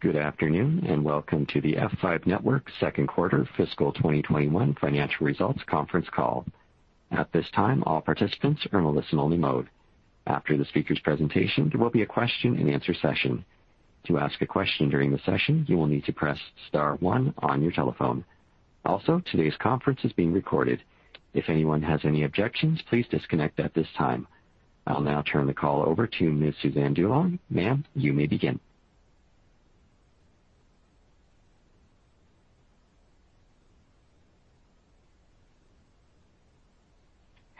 Good afternoon, and welcome to the F5 Networks second quarter fiscal 2021 financial results conference call. At this time, all participants are in a listen-only mode. After the speaker's presentation, there will be a question and answer session. To ask a question during the session, you will need to press star one on your telephone. Also, today's conference is being recorded. If anyone has any objections, please disconnect at this time. I'll now turn the call over to Ms. Suzanne DuLong. Ma'am, you may begin.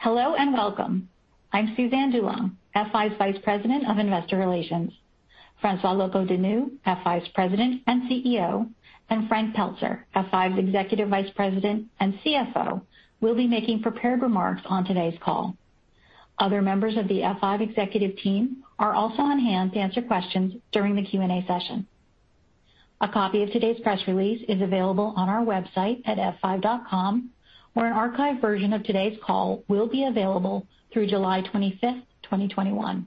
Hello and welcome. I'm Suzanne DuLong, F5's Vice President of Investor Relations. François Locoh-Donou, F5's President and CEO, and Frank Pelzer, F5's Executive Vice President and CFO, will be making prepared remarks on today's call. Other members of the F5 executive team are also on hand to answer questions during the Q&A session. A copy of today's press release is available on our website at f5.com, where an archived version of today's call will be available through July 25th, 2021.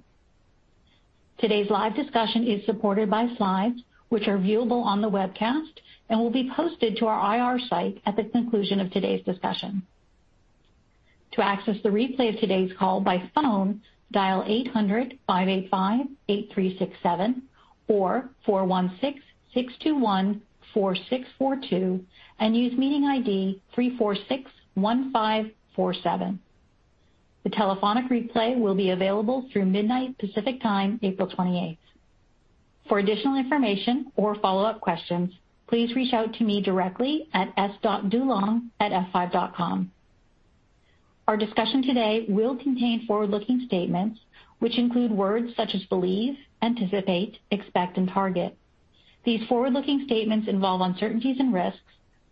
Today's live discussion is supported by slides which are viewable on the webcast and will be posted to our IR site at the conclusion of today's discussion. To access the replay of today's call by phone, dial 800-585-8367 or 416-621-4642, and use meeting ID 3461547. The telephonic replay will be available through midnight Pacific Time, April 28th. For additional information or follow-up questions, please reach out to me directly at s.dulong@f5.com. Our discussion today will contain forward-looking statements, which include words such as believe, anticipate, expect, and target. These forward-looking statements involve uncertainties and risks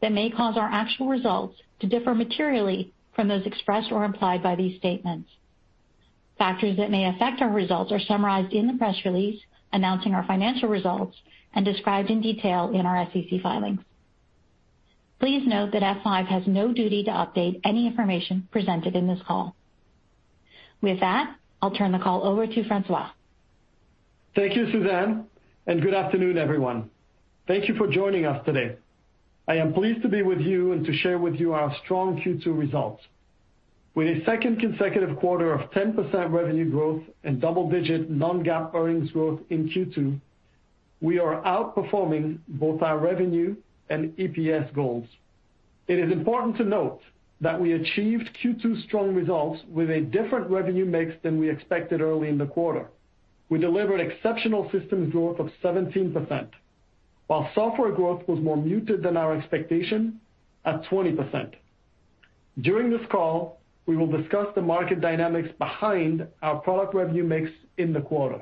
that may cause our actual results to differ materially from those expressed or implied by these statements. Factors that may affect our results are summarized in the press release announcing our financial results and described in detail in our SEC filings. Please note that F5 has no duty to update any information presented in this call. With that, I'll turn the call over to François. Thank you, Suzanne, and good afternoon, everyone. Thank you for joining us today. I am pleased to be with you and to share with you our strong Q2 results. With a second consecutive quarter of 10% revenue growth and double-digit non-GAAP earnings growth in Q2, we are outperforming both our revenue and EPS goals. It is important to note that we achieved Q2 strong results with a different revenue mix than we expected early in the quarter. We delivered exceptional systems growth of 17%, while software growth was more muted than our expectation at 20%. During this call, we will discuss the market dynamics behind our product revenue mix in the quarter.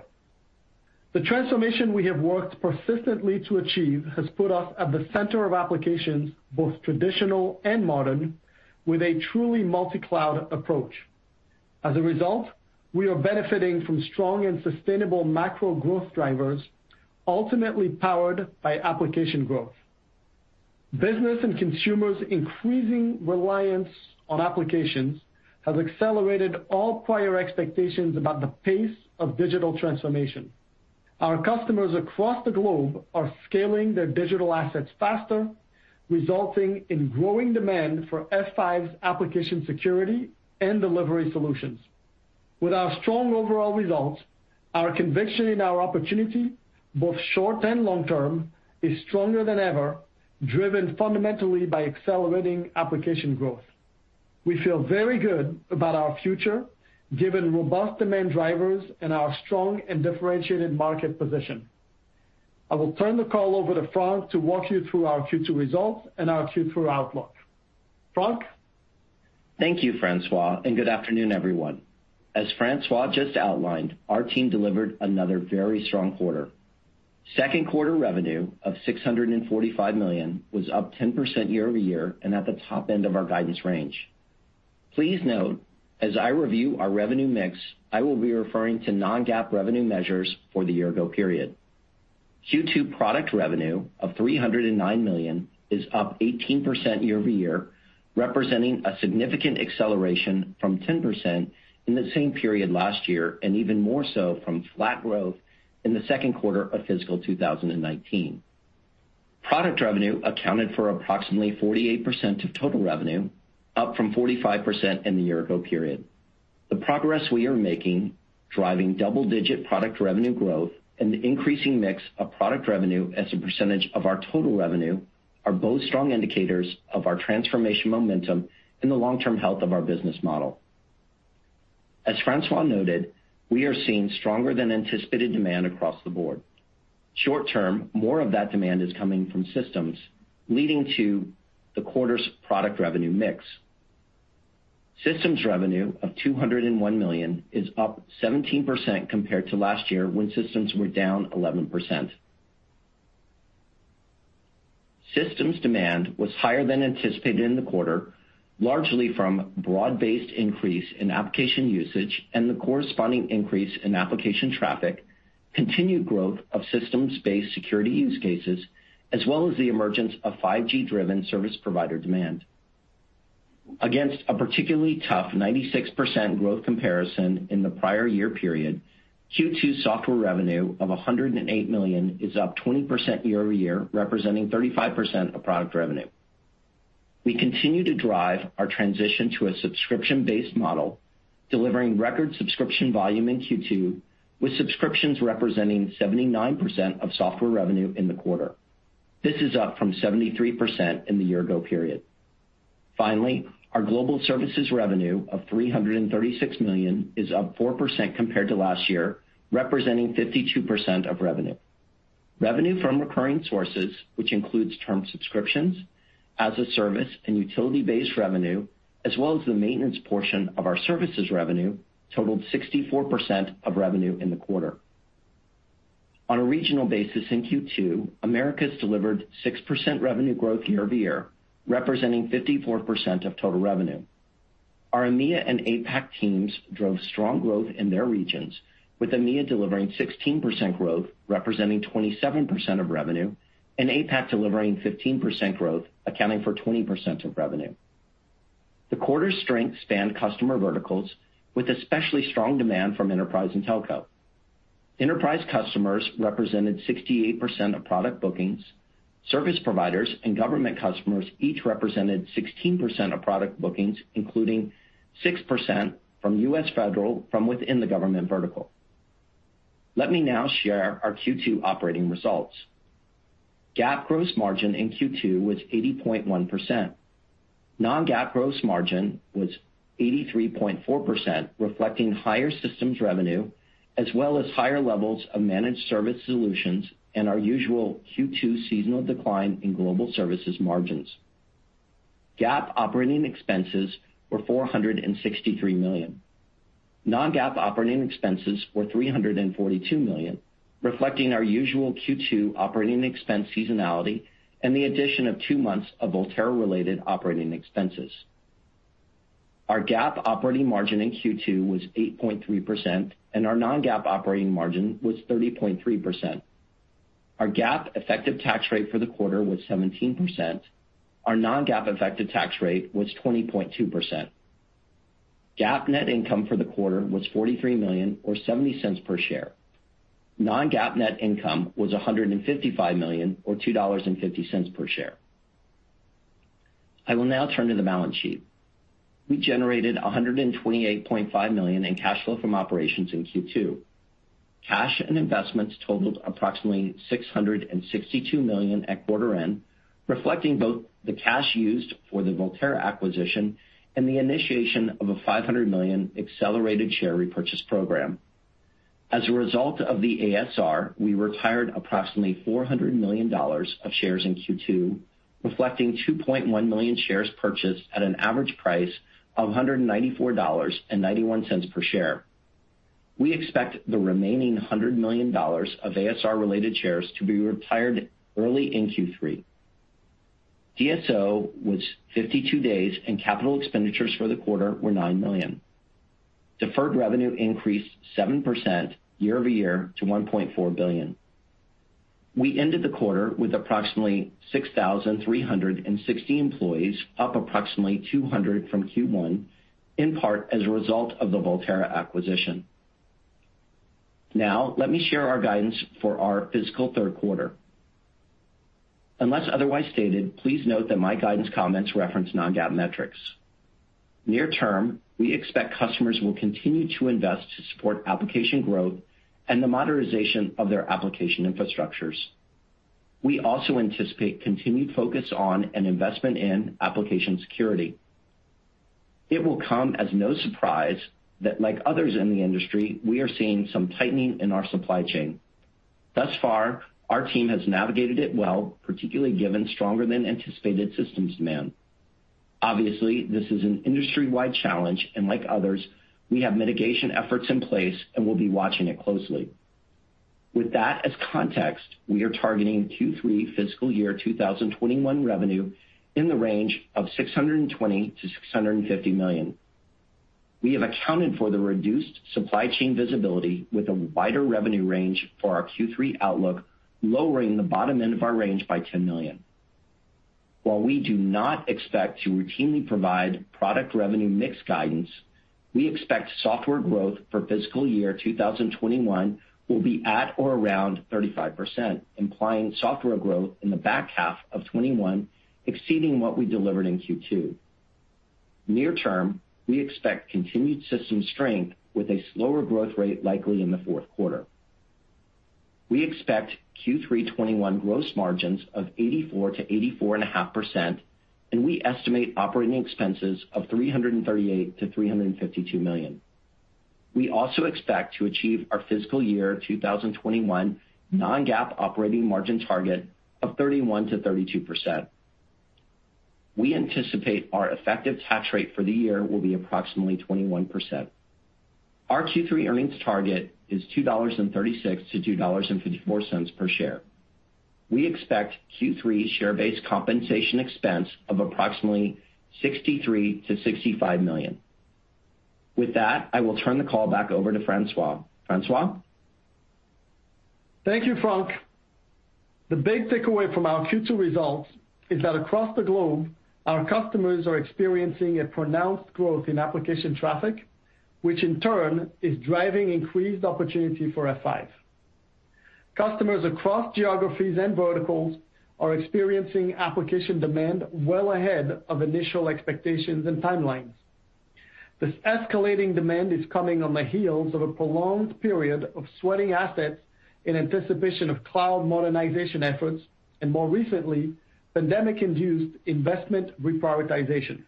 The transformation we have worked persistently to achieve has put us at the center of applications, both traditional and modern, with a truly multi-cloud approach. As a result, we are benefiting from strong and sustainable macro growth drivers, ultimately powered by application growth. Business and consumers' increasing reliance on applications has accelerated all prior expectations about the pace of digital transformation. Our customers across the globe are scaling their digital assets faster, resulting in growing demand for F5's application security and delivery solutions. With our strong overall results, our conviction in our opportunity, both short and long term, is stronger than ever, driven fundamentally by accelerating application growth. We feel very good about our future, given robust demand drivers and our strong and differentiated market position. I will turn the call over to Frank to walk you through our Q2 results and our Q2 outlook. Frank? Thank you, François, good afternoon, everyone. As François just outlined, our team delivered another very strong quarter. Second quarter revenue of $645 million was up 10% year-over-year and at the top end of our guidance range. Please note, as I review our revenue mix, I will be referring to non-GAAP revenue measures for the year-ago period. Q2 product revenue of $309 million is up 18% year-over-year, representing a significant acceleration from 10% in the same period last year, and even more so from flat growth in the second quarter of fiscal 2019. Product revenue accounted for approximately 48% of total revenue, up from 45% in the year-ago period. The progress we are making, driving double-digit product revenue growth, and the increasing mix of product revenue as a percentage of our total revenue are both strong indicators of our transformation momentum and the long-term health of our business model. As François noted, we are seeing stronger than anticipated demand across the board. Short term, more of that demand is coming from systems, leading to the quarter's product revenue mix. Systems revenue of $201 million is up 17% compared to last year, when systems were down 11%. Systems demand was higher than anticipated in the quarter, largely from broad-based increase in application usage and the corresponding increase in application traffic, continued growth of systems-based security use cases, as well as the emergence of 5G-driven service provider demand. Against a particularly tough 96% growth comparison in the prior year period, Q2 software revenue of $108 million is up 20% year-over-year, representing 35% of product revenue. We continue to drive our transition to a subscription-based model, delivering record subscription volume in Q2, with subscriptions representing 79% of software revenue in the quarter. This is up from 73% in the year ago period. Our global services revenue of $336 million is up 4% compared to last year, representing 52% of revenue. Revenue from recurring sources, which includes term subscriptions, as a service and utility-based revenue, as well as the maintenance portion of our services revenue, totaled 64% of revenue in the quarter. On a regional basis in Q2, Americas delivered 6% revenue growth year-over-year, representing 54% of total revenue. Our EMEA and APAC teams drove strong growth in their regions, with EMEA delivering 16% growth, representing 27% of revenue, and APAC delivering 15% growth, accounting for 20% of revenue. The quarter's strength spanned customer verticals with especially strong demand from enterprise and telco. Enterprise customers represented 68% of product bookings. Service providers and government customers each represented 16% of product bookings, including 6% from U.S. federal from within the government vertical. Let me now share our Q2 operating results. GAAP gross margin in Q2 was 80.1%. Non-GAAP gross margin was 83.4%, reflecting higher systems revenue, as well as higher levels of managed service solutions and our usual Q2 seasonal decline in global services margins. GAAP operating expenses were $463 million. Non-GAAP operating expenses were $342 million, reflecting our usual Q2 operating expense seasonality and the addition of two months of Volterra-related operating expenses. Our GAAP operating margin in Q2 was 8.3%, and our non-GAAP operating margin was 30.3%. Our GAAP effective tax rate for the quarter was 17%. Our non-GAAP effective tax rate was 20.2%. GAAP net income for the quarter was $43 million or $0.70 per share. Non-GAAP net income was $155 million or $2.50 per share. I will now turn to the balance sheet. We generated $128.5 million in cash flow from operations in Q2. Cash and investments totaled approximately $662 million at quarter end, reflecting both the cash used for the Volterra acquisition and the initiation of a $500 million accelerated share repurchase program. As a result of the ASR, we retired approximately $400 million of shares in Q2, reflecting 2.1 million shares purchased at an average price of $194.91 per share. We expect the remaining $100 million of ASR-related shares to be retired early in Q3. DSO was 52 days, and capital expenditures for the quarter were $9 million. Deferred revenue increased 7% year-over-year to $1.4 billion. We ended the quarter with approximately 6,360 employees, up approximately 200 from Q1, in part as a result of the Volterra acquisition. Let me share our guidance for our fiscal third quarter. Unless otherwise stated, please note that my guidance comments reference non-GAAP metrics. Near term, we expect customers will continue to invest to support application growth and the modernization of their application infrastructures. We also anticipate continued focus on an investment in application security. It will come as no surprise that, like others in the industry, we are seeing some tightening in our supply chain. Thus far, our team has navigated it well, particularly given stronger than anticipated systems demand. Obviously, this is an industry-wide challenge, and like others, we have mitigation efforts in place and will be watching it closely. With that as context, we are targeting Q3 fiscal year 2021 revenue in the range of $620 million-$650 million. We have accounted for the reduced supply chain visibility with a wider revenue range for our Q3 outlook, lowering the bottom end of our range by $10 million. While we do not expect to routinely provide product revenue mix guidance, we expect software growth for fiscal year 2021 will be at or around 35%, implying software growth in the back half of 2021 exceeding what we delivered in Q2. Near term, we expect continued system strength with a slower growth rate likely in the fourth quarter. We expect Q3 2021 gross margins of 84%-84.5%, and we estimate operating expenses of $338 million-$352 million. We also expect to achieve our fiscal year 2021 non-GAAP operating margin target of 31%-32%. We anticipate our effective tax rate for the year will be approximately 21%. Our Q3 earnings target is $2.36-$2.54 per share. We expect Q3 share-based compensation expense of approximately $63 million-$65 million. With that, I will turn the call back over to François. François? Thank you, Frank. The big takeaway from our Q2 results is that across the globe, our customers are experiencing a pronounced growth in application traffic, which in turn is driving increased opportunity for F5. Customers across geographies and verticals are experiencing application demand well ahead of initial expectations and timelines. This escalating demand is coming on the heels of a prolonged period of sweating assets in anticipation of cloud modernization efforts, and more recently, pandemic-induced investment reprioritization.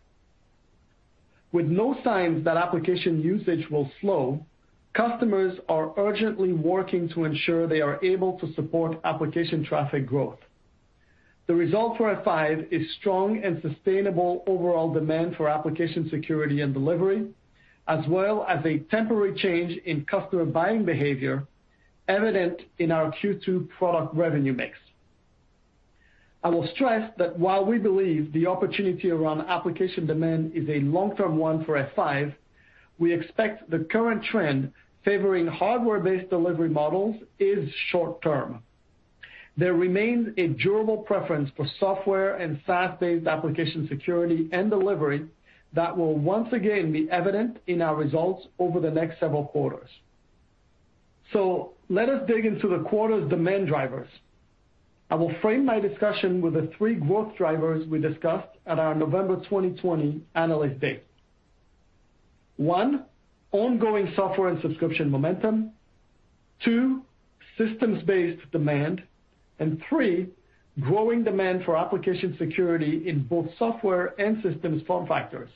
With no signs that application usage will slow, customers are urgently working to ensure they are able to support application traffic growth. The result for F5 is strong and sustainable overall demand for application security and delivery, as well as a temporary change in customer buying behavior evident in our Q2 product revenue mix. I will stress that while we believe the opportunity around application demand is a long-term one for F5, we expect the current trend favoring hardware-based delivery models is short-term. There remains a durable preference for software and SaaS-based application security and delivery that will once again be evident in our results over the next several quarters. Let us dig into the quarter's demand drivers. I will frame my discussion with the three growth drivers we discussed at our November 2020 Analyst Day. One, ongoing software and subscription momentum. Two, systems-based demand, and three, growing demand for application security in both software and systems form factors.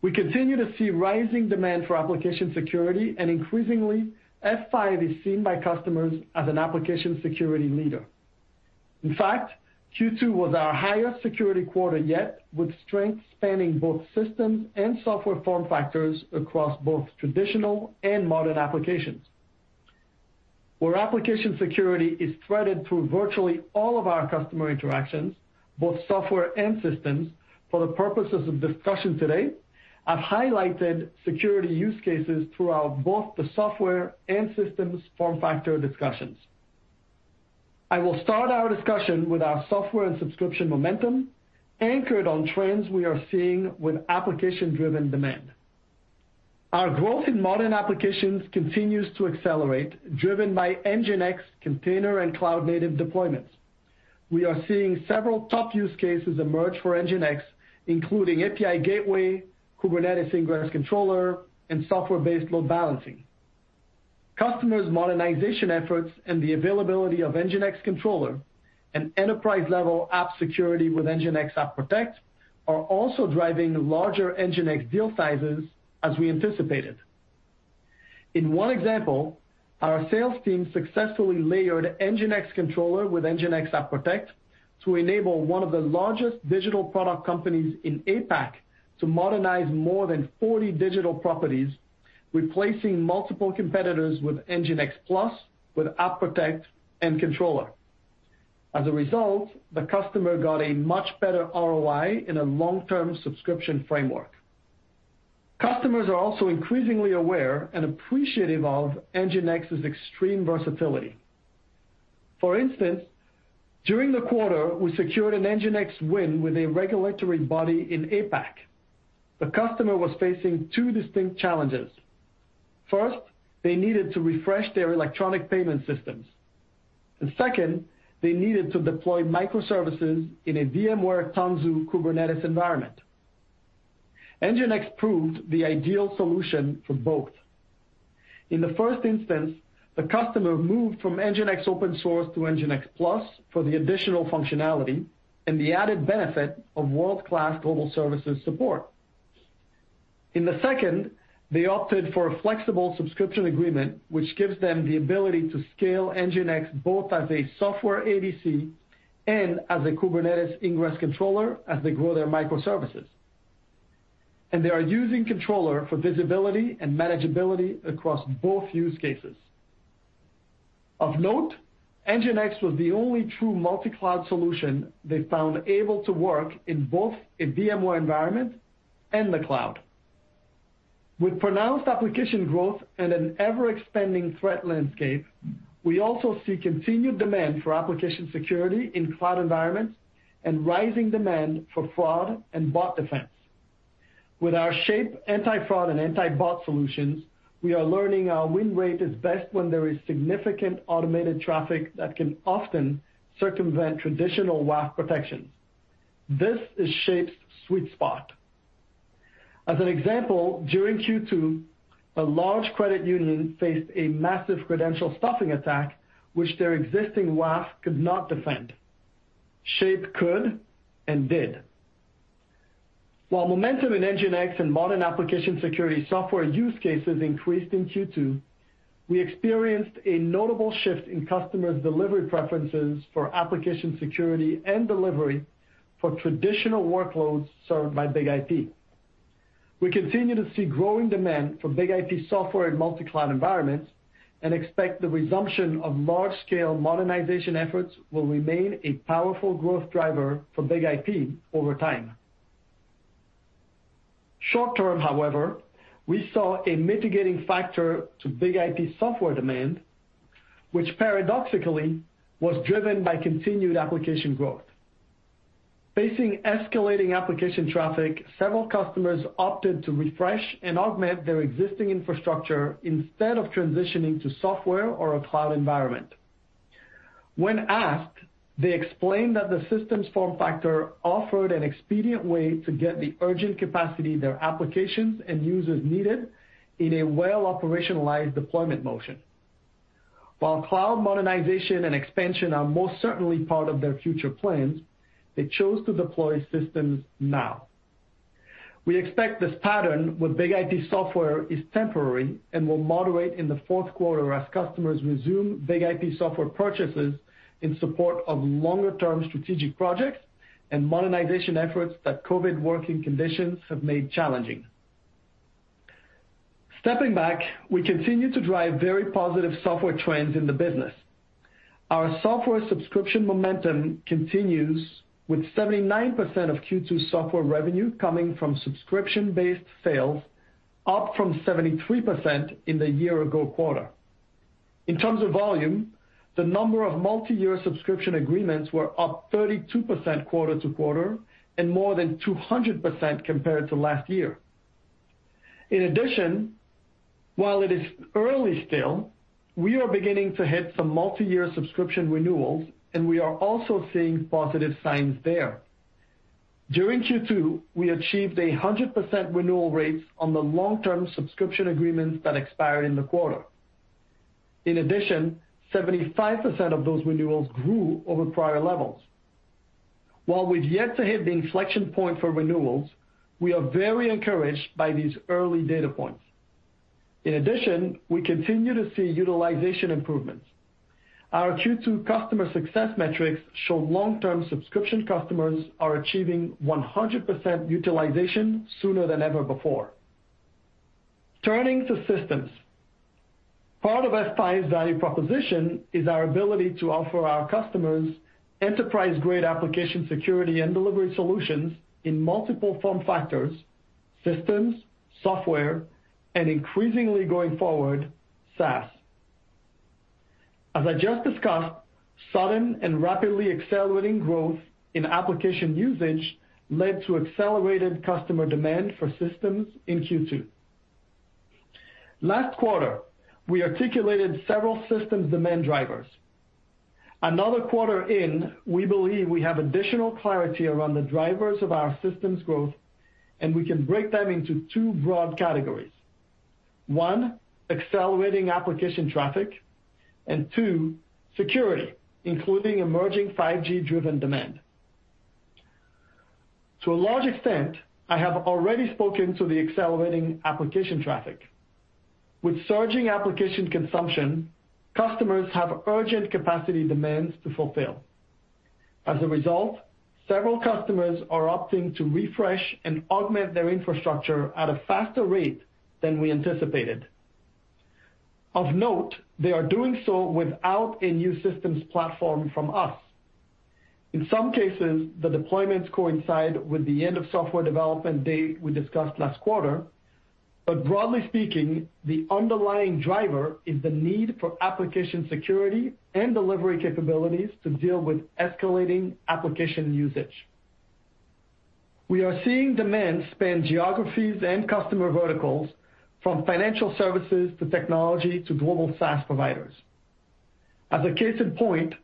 We continue to see rising demand for application security, and increasingly, F5 is seen by customers as an application security leader. In fact, Q2 was our highest security quarter yet, with strength spanning both systems and software form factors across both traditional and modern applications. Where application security is threaded through virtually all of our customer interactions, both software and systems, for the purposes of discussion today, I've highlighted security use cases throughout both the software and systems form factor discussions. I will start our discussion with our software and subscription momentum anchored on trends we are seeing with application-driven demand. Our growth in modern applications continues to accelerate, driven by NGINX container and cloud-native deployments. We are seeing several top use cases emerge for NGINX, including API gateway, Kubernetes ingress controller, and software-based load balancing. Customers' modernization efforts and the availability of NGINX Controller and enterprise-level app security with NGINX App Protect are also driving larger NGINX deal sizes as we anticipated. In one example, our sales team successfully layered NGINX Controller with NGINX App Protect to enable one of the largest digital product companies in APAC to modernize more than 40 digital properties, replacing multiple competitors with NGINX Plus with App Protect and Controller. As a result, the customer got a much better ROI in a long-term subscription framework. Customers are also increasingly aware and appreciative of NGINX's extreme versatility. For instance, during the quarter, we secured an NGINX win with a regulatory body in APAC. The customer was facing two distinct challenges. First, they needed to refresh their electronic payment systems. Second, they needed to deploy microservices in a VMware Tanzu Kubernetes environment. NGINX proved the ideal solution for both. In the first instance, the customer moved from NGINX Open Source to NGINX Plus for the additional functionality and the added benefit of world-class global services support. In the second, they opted for a flexible subscription agreement, which gives them the ability to scale NGINX both as a software ADC and as a Kubernetes ingress controller as they grow their microservices. They are using Controller for visibility and manageability across both use cases. Of note, NGINX was the only true multi-cloud solution they found able to work in both a VMware environment and the cloud. With pronounced application growth and an ever-expanding threat landscape, we also see continued demand for application security in cloud environments and rising demand for fraud and bot defense. With our Shape anti-fraud and anti-bot solutions, we are learning our win rate is best when there is significant automated traffic that can often circumvent traditional WAF protections. This is Shape's sweet spot. As an example, during Q2, a large credit union faced a massive credential stuffing attack which their existing WAF could not defend. Shape could and did. While momentum in NGINX and modern application security software use cases increased in Q2, we experienced a notable shift in customers' delivery preferences for application security and delivery for traditional workloads served by BIG-IP. We continue to see growing demand for BIG-IP software in multi-cloud environments and expect the resumption of large-scale modernization efforts will remain a powerful growth driver for BIG-IP over time. Short term, however, we saw a mitigating factor to BIG-IP software demand, which paradoxically was driven by continued application growth. Facing escalating application traffic, several customers opted to refresh and augment their existing infrastructure instead of transitioning to software or a cloud environment. When asked, they explained that the systems form factor offered an expedient way to get the urgent capacity their applications and users needed in a well-operationalized deployment motion. While cloud modernization and expansion are most certainly part of their future plans, they chose to deploy systems now. We expect this pattern with BIG-IP software is temporary and will moderate in the fourth quarter as customers resume BIG-IP software purchases in support of longer term strategic projects and modernization efforts that COVID-19 working conditions have made challenging. Stepping back, we continue to drive very positive software trends in the business. Our software subscription momentum continues with 79% of Q2 software revenue coming from subscription-based sales, up from 73% in the year-ago quarter. In terms of volume, the number of multi-year subscription agreements were up 32% quarter-to-quarter and more than 200% compared to last year. While it is early still, we are beginning to hit some multi-year subscription renewals, and we are also seeing positive signs there. During Q2, we achieved 100% renewal rates on the long-term subscription agreements that expired in the quarter. 75% of those renewals grew over prior levels. While we've yet to hit the inflection point for renewals, we are very encouraged by these early data points. We continue to see utilization improvements. Our Q2 customer success metrics show long-term subscription customers are achieving 100% utilization sooner than ever before. Turning to systems. Part of F5's value proposition is our ability to offer our customers enterprise-grade application security and delivery solutions in multiple form factors, systems, software, and increasingly going forward, SaaS. As I just discussed, sudden and rapidly accelerating growth in application usage led to accelerated customer demand for systems in Q2. Last quarter, we articulated several systems demand drivers. Another quarter in, we believe we have additional clarity around the drivers of our systems growth, and we can break them into Two broad categories. One, accelerating application traffic, and two, security, including emerging 5G-driven demand. To a large extent, I have already spoken to the accelerating application traffic. With surging application consumption, customers have urgent capacity demands to fulfill. As a result, several customers are opting to refresh and augment their infrastructure at a faster rate than we anticipated. Of note, they are doing so without a new systems platform from us. In some cases, the deployments coincide with the end of software development date we discussed last quarter. Broadly speaking, the underlying driver is the need for application security and delivery capabilities to deal with escalating application usage. We are seeing demand span geographies and customer verticals from financial services to technology to global SaaS providers. As a case in point,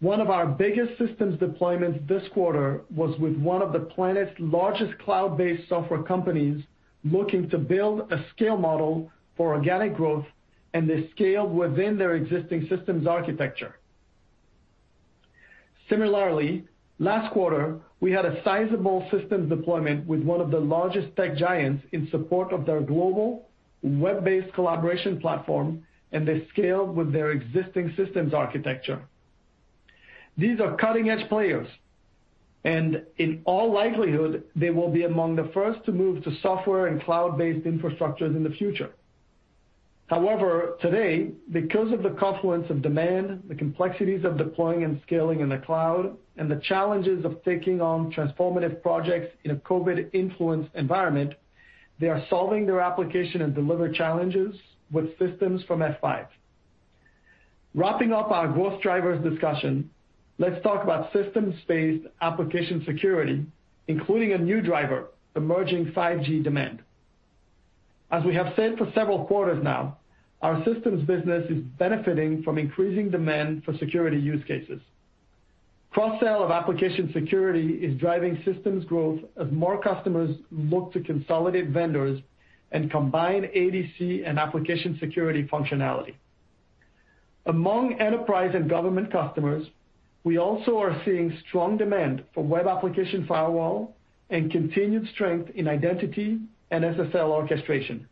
one of our biggest systems deployments this quarter was with one of the planet's largest cloud-based software companies looking to build a scale model for organic growth and they scaled within their existing systems architecture. Similarly, last quarter, we had a sizable systems deployment with one of the largest tech giants in support of their global web-based collaboration platform, and they scaled with their existing systems architecture. These are cutting-edge players, and in all likelihood, they will be among the first to move to software and cloud-based infrastructures in the future. Today, because of the confluence of demand, the complexities of deploying and scaling in the cloud, and the challenges of taking on transformative projects in a COVID influenced environment, they are solving their application and deliver challenges with systems from F5. Wrapping up our growth drivers discussion, let's talk about systems-based application security, including a new driver, emerging 5G demand. We have said for several quarters now, our systems business is benefiting from increasing demand for security use cases. Cross-sell of application security is driving systems growth as more customers look to consolidate vendors and combine ADC and application security functionality. Among enterprise and government customers, we also are seeing strong demand for web application firewall and continued strength in identity and SSL orchestration.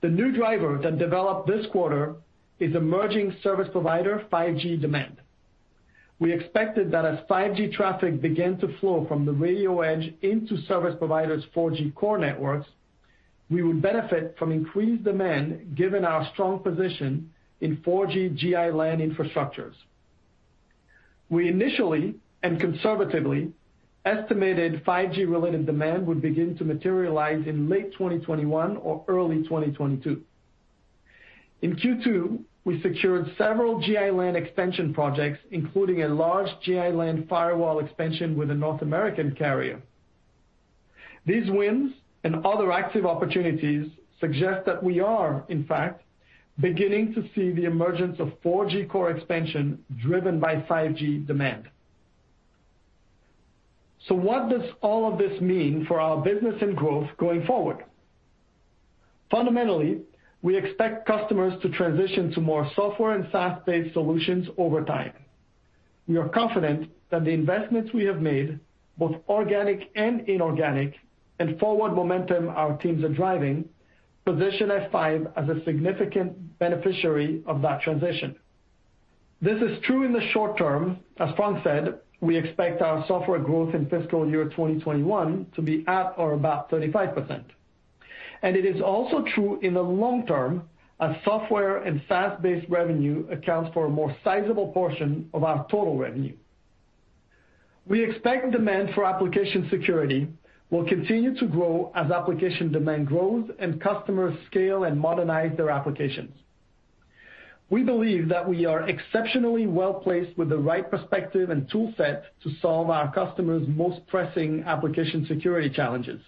The new driver that developed this quarter is emerging service provider 5G demand. We expected that as 5G traffic began to flow from the radio edge into service providers' 4G core networks, we would benefit from increased demand given our strong position in 4G Gi-LAN infrastructures. We initially and conservatively estimated 5G related demand would begin to materialize in late 2021 or early 2022. In Q2, we secured several Gi-LAN extension projects, including a large Gi-LAN firewall expansion with a North American carrier. These wins and other active opportunities suggest that we are, in fact, beginning to see the emergence of 4G core expansion driven by 5G demand. What does all of this mean for our business and growth going forward? Fundamentally, we expect customers to transition to more software and SaaS-based solutions over time. We are confident that the investments we have made, both organic and inorganic, and forward momentum our teams are driving, position F5 as a significant beneficiary of that transition. This is true in the short term. As Frank said, we expect our software growth in fiscal year 2021 to be at or about 35%. It is also true in the long term, as software and SaaS-based revenue accounts for a more sizable portion of our total revenue. We expect demand for application security will continue to grow as application demand grows and customers scale and modernize their applications. We believe that we are exceptionally well-placed with the right perspective and tool set to solve our customers' most pressing application security challenges.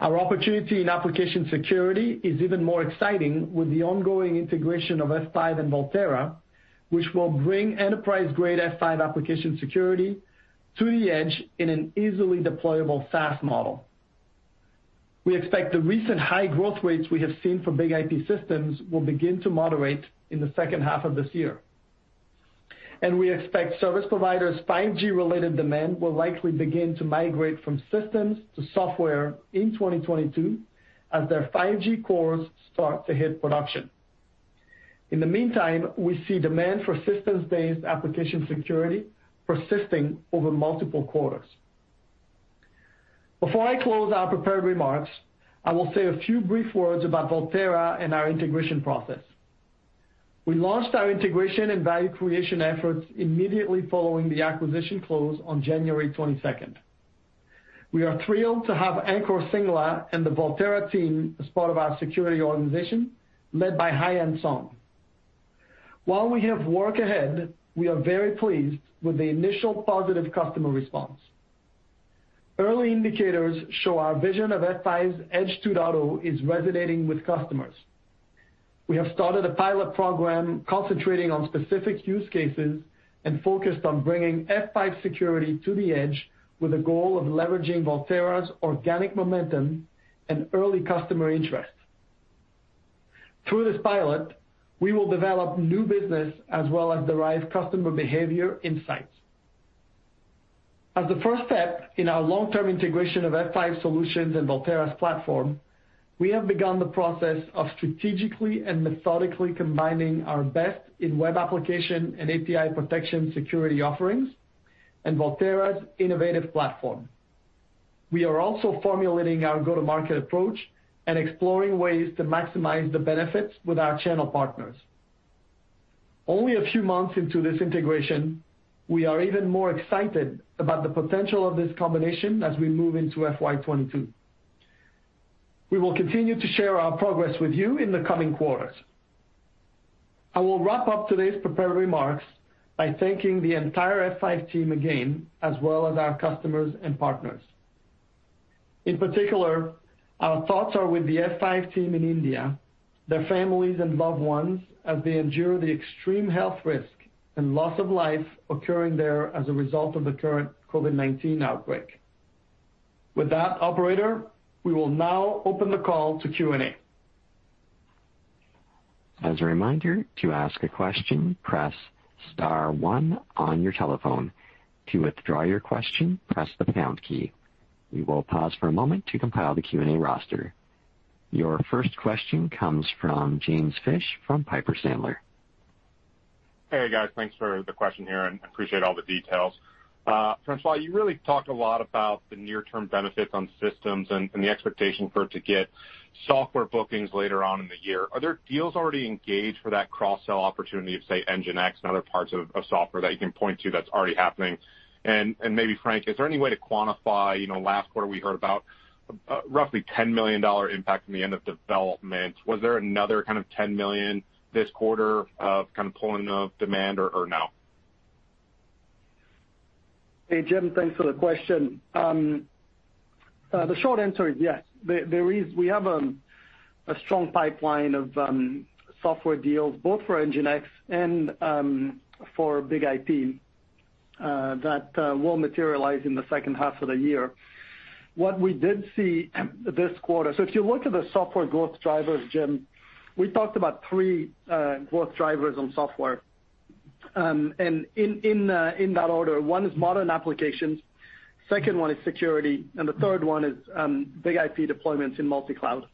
Our opportunity in application security is even more exciting with the ongoing integration of F5 and Volterra, which will bring enterprise-grade F5 application security to the edge in an easily deployable SaaS model. We expect the recent high growth rates we have seen from BIG-IP Systems will begin to moderate in the second half of this year. We expect service providers' 5G-related demand will likely begin to migrate from systems to software in 2022 as their 5G cores start to hit production. In the meantime, we see demand for systems-based application security persisting over multiple quarters. Before I close our prepared remarks, I will say a few brief words about Volterra and our integration process. We launched our integration and value creation efforts immediately following the acquisition close on January 22nd. We are thrilled to have Ankur Singla and the Volterra team as part of our security organization, led by Haiyan Song. While we have work ahead, we are very pleased with the initial positive customer response. Early indicators show our vision of F5's Edge 2.0 is resonating with customers. We have started a pilot program concentrating on specific use cases and focused on bringing F5 security to the edge with a goal of leveraging Volterra's organic momentum and early customer interest. Through this pilot, we will develop new business as well as derive customer behavior insights. As a first step in our long-term integration of F5 solutions and Volterra's platform, we have begun the process of strategically and methodically combining our best in web application and API protection security offerings and Volterra's innovative platform. We are also formulating our go-to-market approach and exploring ways to maximize the benefits with our channel partners. Only a few months into this integration, we are even more excited about the potential of this combination as we move into FY 2022. We will continue to share our progress with you in the coming quarters. I will wrap up today's prepared remarks by thanking the entire F5 team again, as well as our customers and partners. In particular, our thoughts are with the F5 team in India, their families and loved ones as they endure the extreme health risk and loss of life occurring there as a result of the current COVID-19 outbreak. With that, operator, we will now open the call to Q&A. As a reminder, to ask a question, press star one on your telephone. To withdraw your question, press the pound key. We will pause for a moment to compile the Q&A roster. Your first question comes from James Fish from Piper Sandler. Hey, guys. Thanks for the question here, and I appreciate all the details. François, you really talked a lot about the near-term benefits on systems and the expectation for it to get software bookings later on in the year. Are there deals already engaged for that cross-sell opportunity of, say, NGINX and other parts of software that you can point to that's already happening? Maybe Frank, is there any way to quantify, last quarter we heard about roughly $10 million impact in the end of development. Was there another kind of $10 million this quarter of kind of pulling of demand or no? Hey, Jim. Thanks for the question. The short answer is yes. We have a strong pipeline of software deals, both for NGINX and for BIG-IP, that will materialize in the second half of the year. What we did see this quarter, if you look at the software growth drivers, Jim, we talked about three growth drivers on software. In that order, one is modern applications, second one is security, and the third one is BIG-IP deployments in multi-cloud.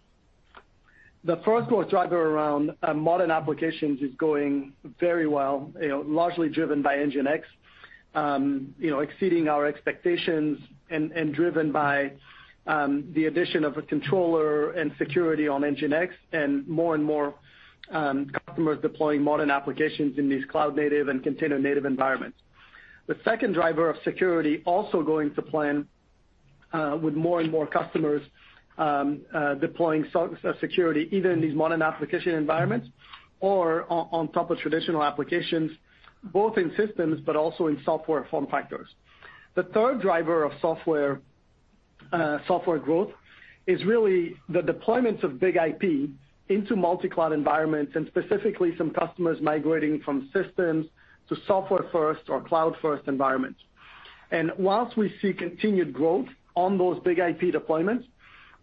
The first growth driver around modern applications is going very well, largely driven by NGINX. Exceeding our expectations and driven by the addition of a controller and security on NGINX and more and more customers deploying modern applications in these cloud-native and container-native environments. The second driver of security also going to plan with more and more customers deploying security either in these modern application environments or on top of traditional applications, both in systems but also in software form factors. The third driver of software growth is really the deployments of BIG-IP into multi-cloud environments, and specifically some customers migrating from systems to software-first or cloud-first environments. Whilst we see continued growth on those BIG-IP deployments,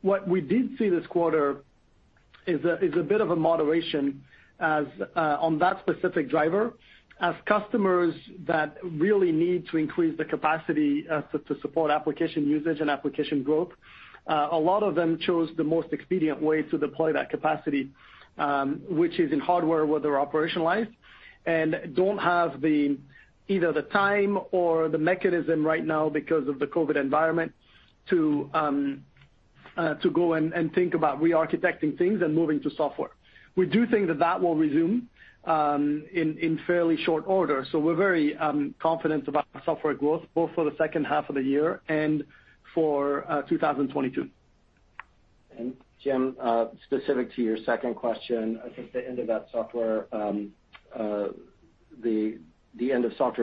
what we did see this quarter is a bit of a moderation on that specific driver as customers that really need to increase the capacity to support application usage and application growth, a lot of them chose the most expedient way to deploy that capacity, which is in hardware where they're operationalized, and don't have either the time or the mechanism right now because of the COVID-19 environment to go and think about re-architecting things and moving to software. We do think that that will resume in fairly short order. We're very confident about software growth, both for the second half of the year and for 2022. Jim, specific to your second question, I think the end of software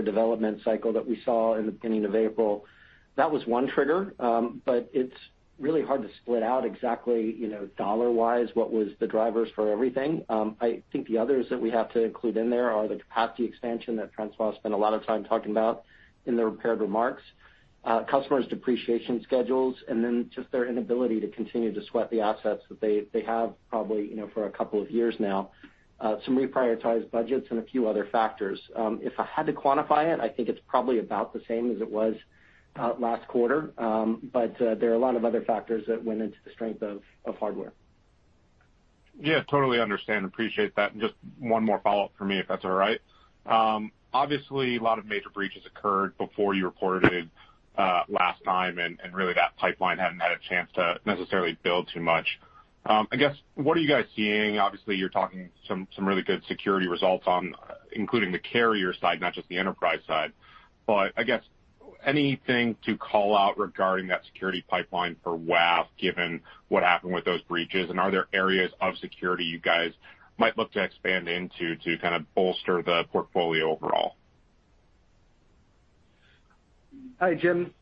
development cycle that we saw in the beginning of April, that was one trigger. It's really hard to split out exactly dollar-wise what was the drivers for everything. I think the others that we have to include in there are the capacity expansion that François spent a lot of time talking about in the prepared remarks, customers' depreciation schedules, and then just their inability to continue to sweat the assets that they have probably for a couple of years now, some reprioritized budgets, and a few other factors. If I had to quantify it, I think it's probably about the same as it was last quarter. There are a lot of other factors that went into the strength of hardware. Yeah, totally understand. Appreciate that. Just one more follow-up for me, if that's all right? Obviously, a lot of major breaches occurred before you reported last time, and really that pipeline hadn't had a chance to necessarily build too much. I guess, what are you guys seeing? Obviously, you're talking some really good security results on including the carrier side, not just the enterprise side, but I guess anything to call out regarding that security pipeline for WAF, given what happened with those breaches, and are there areas of security you guys might look to expand into to kind of bolster the portfolio overall? Hi, Jim.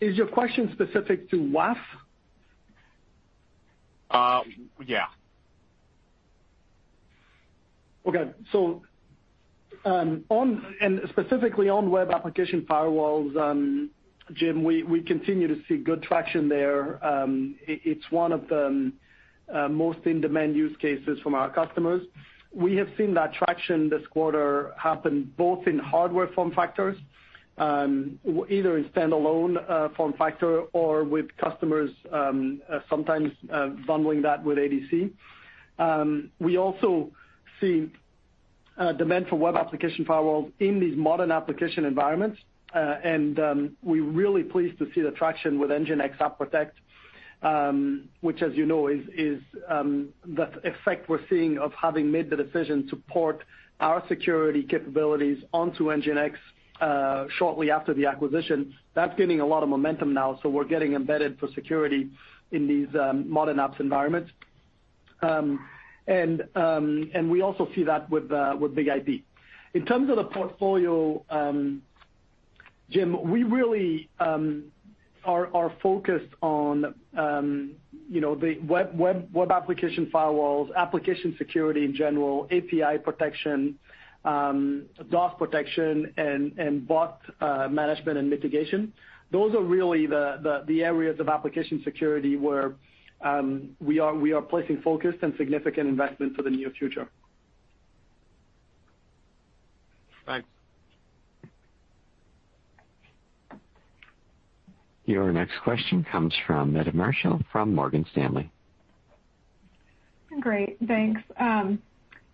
Is your question specific to WAF? Yeah. Okay. Specifically on web application firewalls, Jim, we continue to see good traction there. It's one of the most in-demand use cases from our customers. We have seen that traction this quarter happen both in hardware form factors, either in standalone form factor or with customers sometimes bundling that with ADC. We also see demand for web application firewalls in these modern application environments. We're really pleased to see the traction with NGINX App Protect, which as you know is the effect we're seeing of having made the decision to port our security capabilities onto NGINX shortly after the acquisition. That's gaining a lot of momentum now, so we're getting embedded for security in these modern apps environments. We also see that with BIG-IP. In terms of the portfolio, Jim, we really are focused on the web application firewalls, application security in general, API protection, DoS protection, and bot management and mitigation. Those are really the areas of application security where we are placing focus and significant investment for the near future. Thanks. Your next question comes from Meta Marshall from Morgan Stanley. Great, thanks.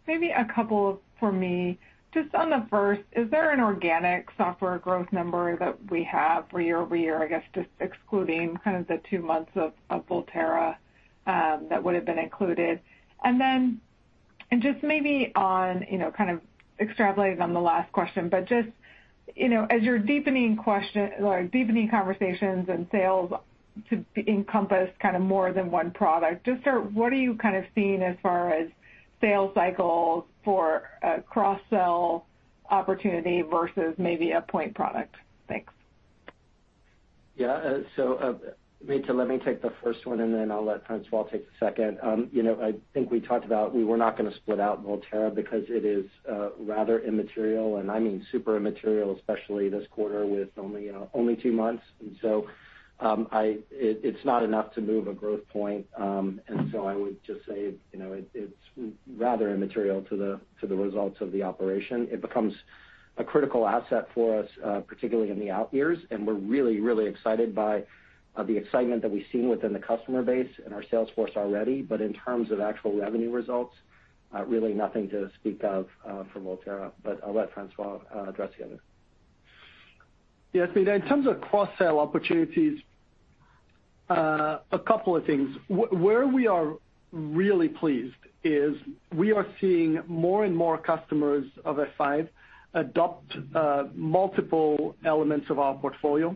Maybe a couple for me. Just on the first, is there an organic software growth number that we have year-over-year, I guess, just excluding kind of the two months of Volterra that would have been included? Just maybe extrapolating on the last question, but just as you're deepening conversations and sales to encompass more than one product, what are you seeing as far as sales cycles for a cross-sell opportunity versus maybe a point product? Thanks. Meta, let me take the first one, and then I'll let François take the second. I think we talked about we were not going to split out Volterra because it is rather immaterial, and I mean super immaterial, especially this quarter with only two months. It's not enough to move a growth point. I would just say it's rather immaterial to the results of the operation. It becomes a critical asset for us, particularly in the out years, and we're really, really excited by the excitement that we've seen within the customer base and our sales force already. In terms of actual revenue results, really nothing to speak of for Volterra. I'll let François address the other. Yes. In terms of cross-sell opportunities, a couple of things. Where we are really pleased is we are seeing more and more customers of F5 adopt multiple elements of our portfolio.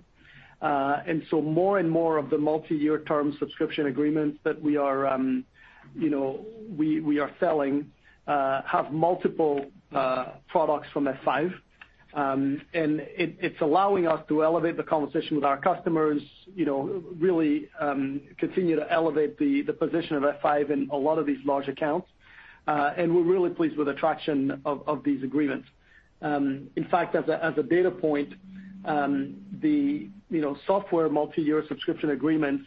More and more of the multiyear term subscription agreements that we are selling have multiple products from F5. It's allowing us to elevate the conversation with our customers, really continue to elevate the position of F5 in a lot of these large accounts. We're really pleased with the traction of these agreements. In fact, as a data point, the software multiyear subscription agreements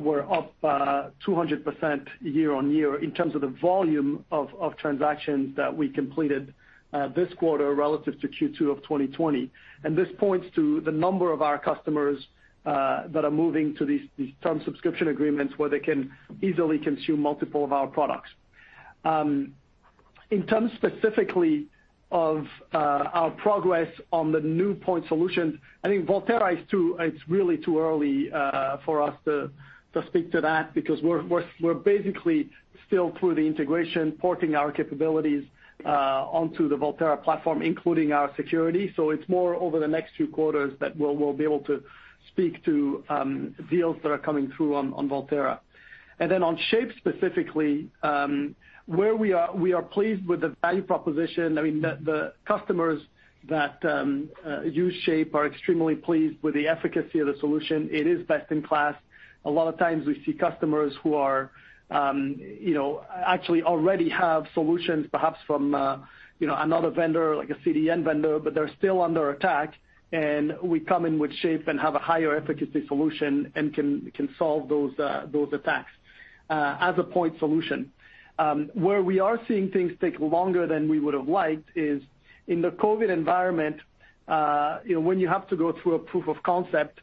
were up 200% year-on-year in terms of the volume of transactions that we completed this quarter relative to Q2 of 2020. This points to the number of our customers that are moving to these term subscription agreements where they can easily consume multiple of our products. In terms specifically of our progress on the new point solutions, I think Volterra, it's really too early for us to speak to that because we're basically still through the integration, porting our capabilities onto the Volterra platform, including our security. It's more over the next few quarters that we'll be able to speak to deals that are coming through on Volterra. On Shape specifically, where we are pleased with the value proposition, I mean, the customers that use Shape are extremely pleased with the efficacy of the solution. It is best in class. A lot of times we see customers who actually already have solutions, perhaps from another vendor, like a CDN vendor, but they're still under attack, and we come in with Shape and have a higher efficacy solution and can solve those attacks as a point solution. Where we are seeing things take longer than we would have liked is in the COVID-19 environment, when you have to go through a proof of concept,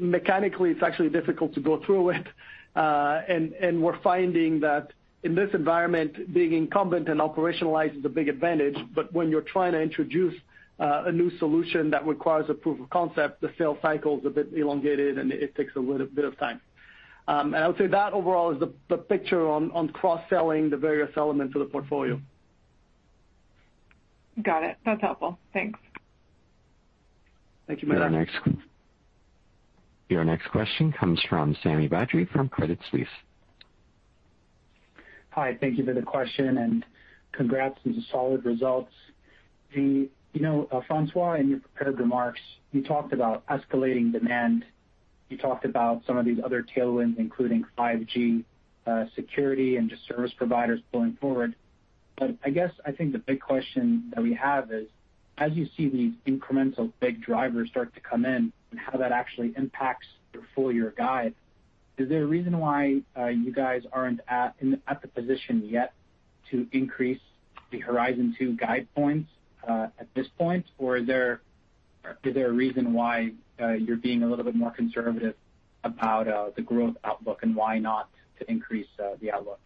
mechanically, it's actually difficult to go through it. We're finding that in this environment, being incumbent and operationalized is a big advantage, but when you're trying to introduce a new solution that requires a proof of concept, the sales cycle is a bit elongated, and it takes a little bit of time. I would say that overall is the picture on cross-selling the various elements of the portfolio. Got it. That's helpful. Thanks. Thank you, Meta. Your next question comes from Sami Badri from Credit Suisse. Hi, thank you for the question and congrats on the solid results. François, in your prepared remarks, you talked about escalating demand. You talked about some of these other tailwinds, including 5G security and just service providers going forward. I guess, I think the big question that we have is, as you see these incremental big drivers start to come in and how that actually impacts your full year guide, is there a reason why you guys aren't at the position yet to increase the Horizon 2 guide points at this point? Is there a reason why you're being a little bit more conservative about the growth outlook, and why not to increase the outlook?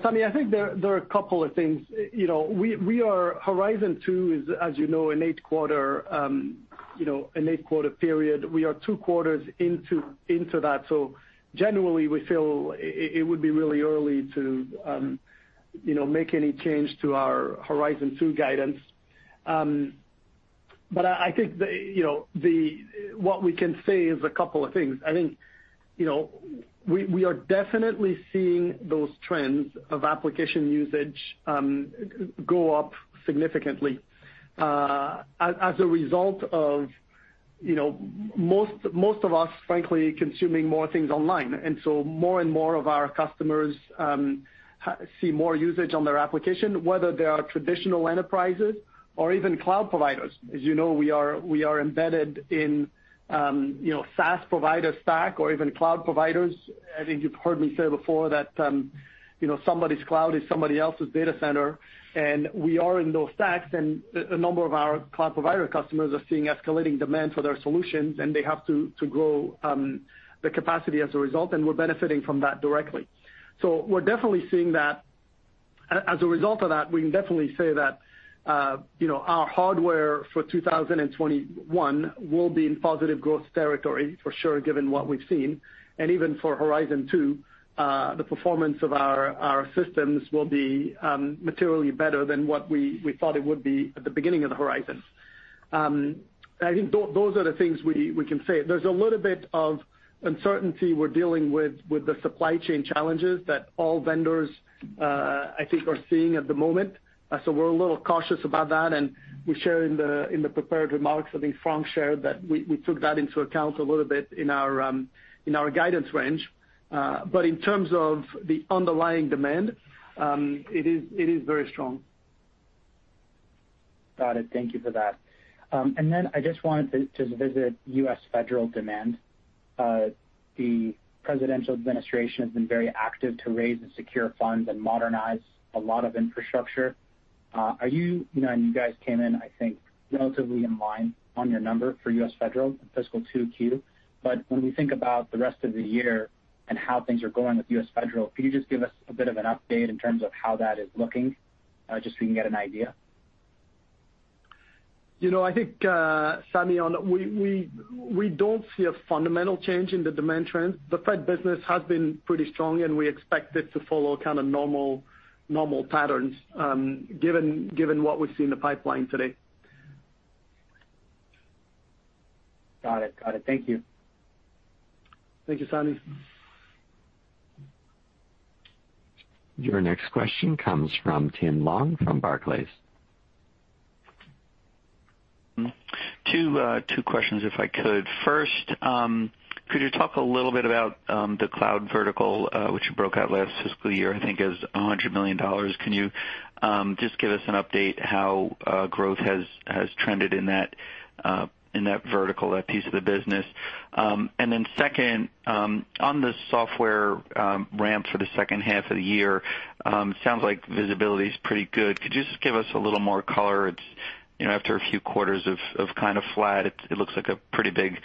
Sami, I think there are a couple of things. Horizon 2 is, as you know, an eight-quarter period. We are two quarters into that. Generally, we feel it would be really early to make any change to our Horizon 2 guidance. I think what we can say is a couple of things. I think we are definitely seeing those trends of application usage go up significantly as a result of most of us, frankly, consuming more things online. More and more of our customers see more usage on their application, whether they are traditional enterprises or even cloud providers. As you know, we are embedded in SaaS provider stack or even cloud providers. I think you've heard me say before that somebody's cloud is somebody else's data center, and we are in those stacks, and a number of our cloud provider customers are seeing escalating demand for their solutions, and they have to grow the capacity as a result, and we're benefiting from that directly. We're definitely seeing that. As a result of that, we can definitely say that our hardware for 2021 will be in positive growth territory for sure, given what we've seen. Even for Horizon 2, the performance of our systems will be materially better than what we thought it would be at the beginning of the Horizon. I think those are the things we can say. There's a little bit of uncertainty we're dealing with the supply chain challenges that all vendors I think are seeing at the moment. We're a little cautious about that, and we share in the prepared remarks, I think Frank shared that we took that into account a little bit in our guidance range. In terms of the underlying demand, it is very strong. Got it. Thank you for that. Then I just wanted to visit U.S. federal demand. The presidential administration has been very active to raise and secure funds and modernize a lot of infrastructure. You guys came in, I think, relatively in line on your number for U.S. federal in fiscal 2Q. When we think about the rest of the year and how things are going with U.S. federal, could you just give us a bit of an update in terms of how that is looking, just so we can get an idea? I think, Sami, we don't see a fundamental change in the demand trend. The Fed business has been pretty strong. We expect it to follow kind of normal patterns given what we see in the pipeline today. Got it. Thank you. Thank you, Sami. Your next question comes from Tim Long from Barclays. Two questions if I could. First, could you talk a little bit about the cloud vertical, which you broke out last fiscal year, I think is $100 million. Can you just give us an update how growth has trended in that vertical, that piece of the business? Second, on the software ramp for the second half of the year, sounds like visibility is pretty good. Could you just give us a little more color? After a few quarters of kind of flat, it looks like a pretty big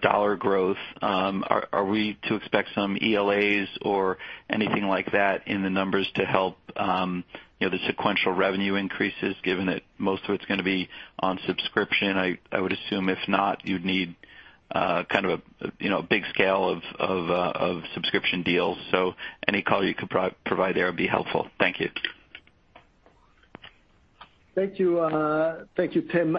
dollar growth. Are we to expect some ELAs or anything like that in the numbers to help the sequential revenue increases, given that most of it's going to be on subscription? I would assume if not, you'd need kind of a big scale of subscription deals. Any color you could provide there would be helpful. Thank you. Thank you, Tim.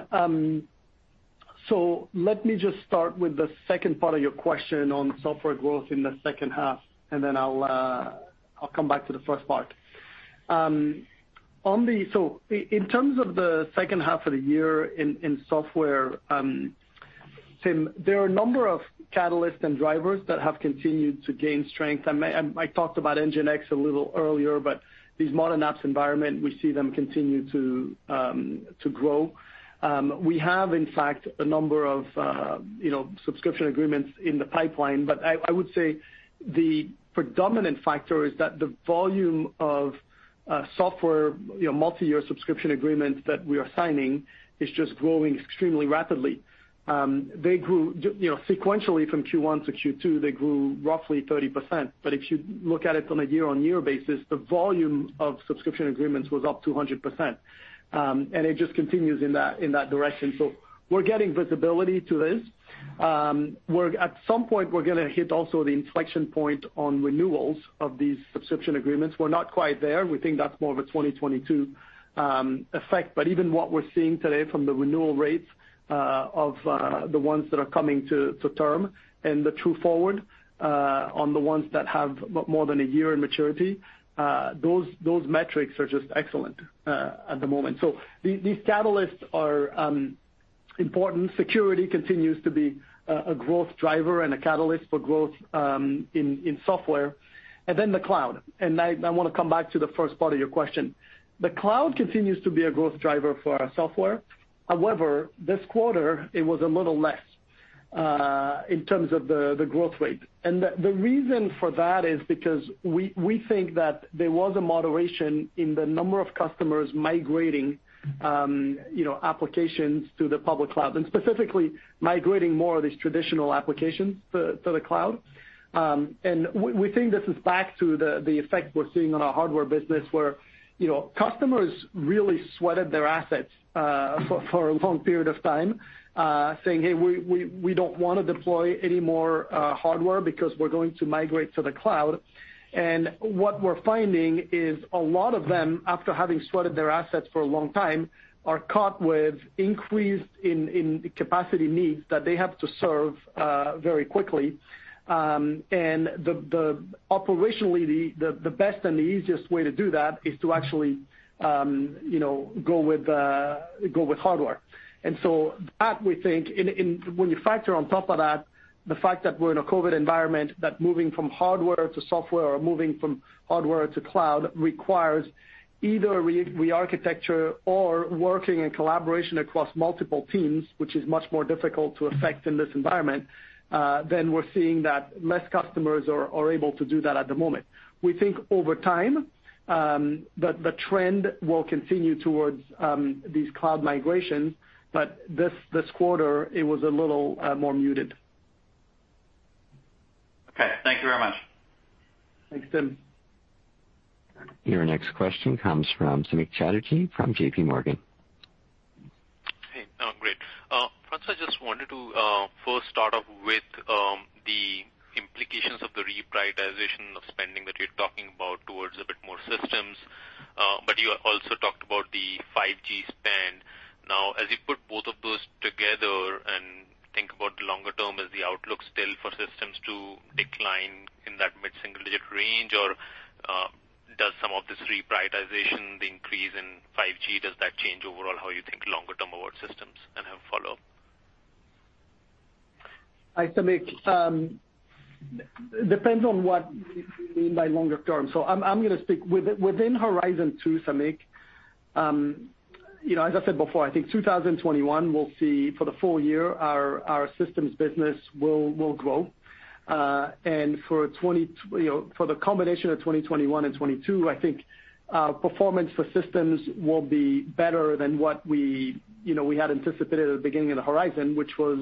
Let me just start with the second part of your question on software growth in the second half, and then I'll come back to the first part. In terms of the second half of the year in software, Tim, there are a number of catalysts and drivers that have continued to gain strength. I talked about NGINX a little earlier, but these modern apps environment, we see them continue to grow. We have, in fact, a number of subscription agreements in the pipeline, but I would say the predominant factor is that the volume of software multi-year subscription agreements that we are signing is just growing extremely rapidly. Sequentially from Q1 to Q2, they grew roughly 30%, but if you look at it from a year-on-year basis, the volume of subscription agreements was up 200%, and it just continues in that direction. We're getting visibility to this. At some point, we're going to hit also the inflection point on renewals of these subscription agreements. We're not quite there. We think that's more of a 2022 effect. Even what we're seeing today from the renewal rates of the ones that are coming to term and the true forward on the ones that have more than a year in maturity, those metrics are just excellent at the moment. These catalysts are important. Security continues to be a growth driver and a catalyst for growth in software. The cloud, and I want to come back to the first part of your question. The cloud continues to be a growth driver for our software. However, this quarter it was a little less in terms of the growth rate. The reason for that is because we think that there was a moderation in the number of customers migrating applications to the public cloud, specifically migrating more of these traditional applications to the cloud. We think this is back to the effect we're seeing on our hardware business, where customers really sweated their assets for a long period of time, saying, "Hey, we don't want to deploy any more hardware because we're going to migrate to the cloud." What we're finding is a lot of them, after having sweated their assets for a long time, are caught with increased in capacity needs that they have to serve very quickly. Operationally, the best and the easiest way to do that is to actually go with hardware. That we think, when you factor on top of that the fact that we're in a COVID-19 environment, that moving from hardware to software or moving from hardware to cloud requires either re-architecture or working in collaboration across multiple teams, which is much more difficult to affect in this environment, then we're seeing that less customers are able to do that at the moment. We think over time, the trend will continue towards these cloud migrations, but this quarter it was a little more muted. Okay. Thank you very much. Thanks, Tim. Your next question comes from Samik Chatterjee from JPMorgan. Hey. Great. François, I just wanted to first start off with the implications of the reprioritization of spending that you're talking about towards a bit more systems. You also talked about the 5G spend. Now, as you put both of those together and think about the longer term, is the outlook still for systems to decline in that mid-single digit range? Or does some of this reprioritization, the increase in 5G, does that change overall how you think longer term about systems? I have a follow-up. Hi, Samik. Depends on what you mean by longer term. I'm going to speak within Horizon 2, Samik. As I said before, I think 2021 we'll see for the full year our systems business will grow. For the combination of 2021 and 2022, I think performance for systems will be better than what we had anticipated at the beginning of the Horizon, which was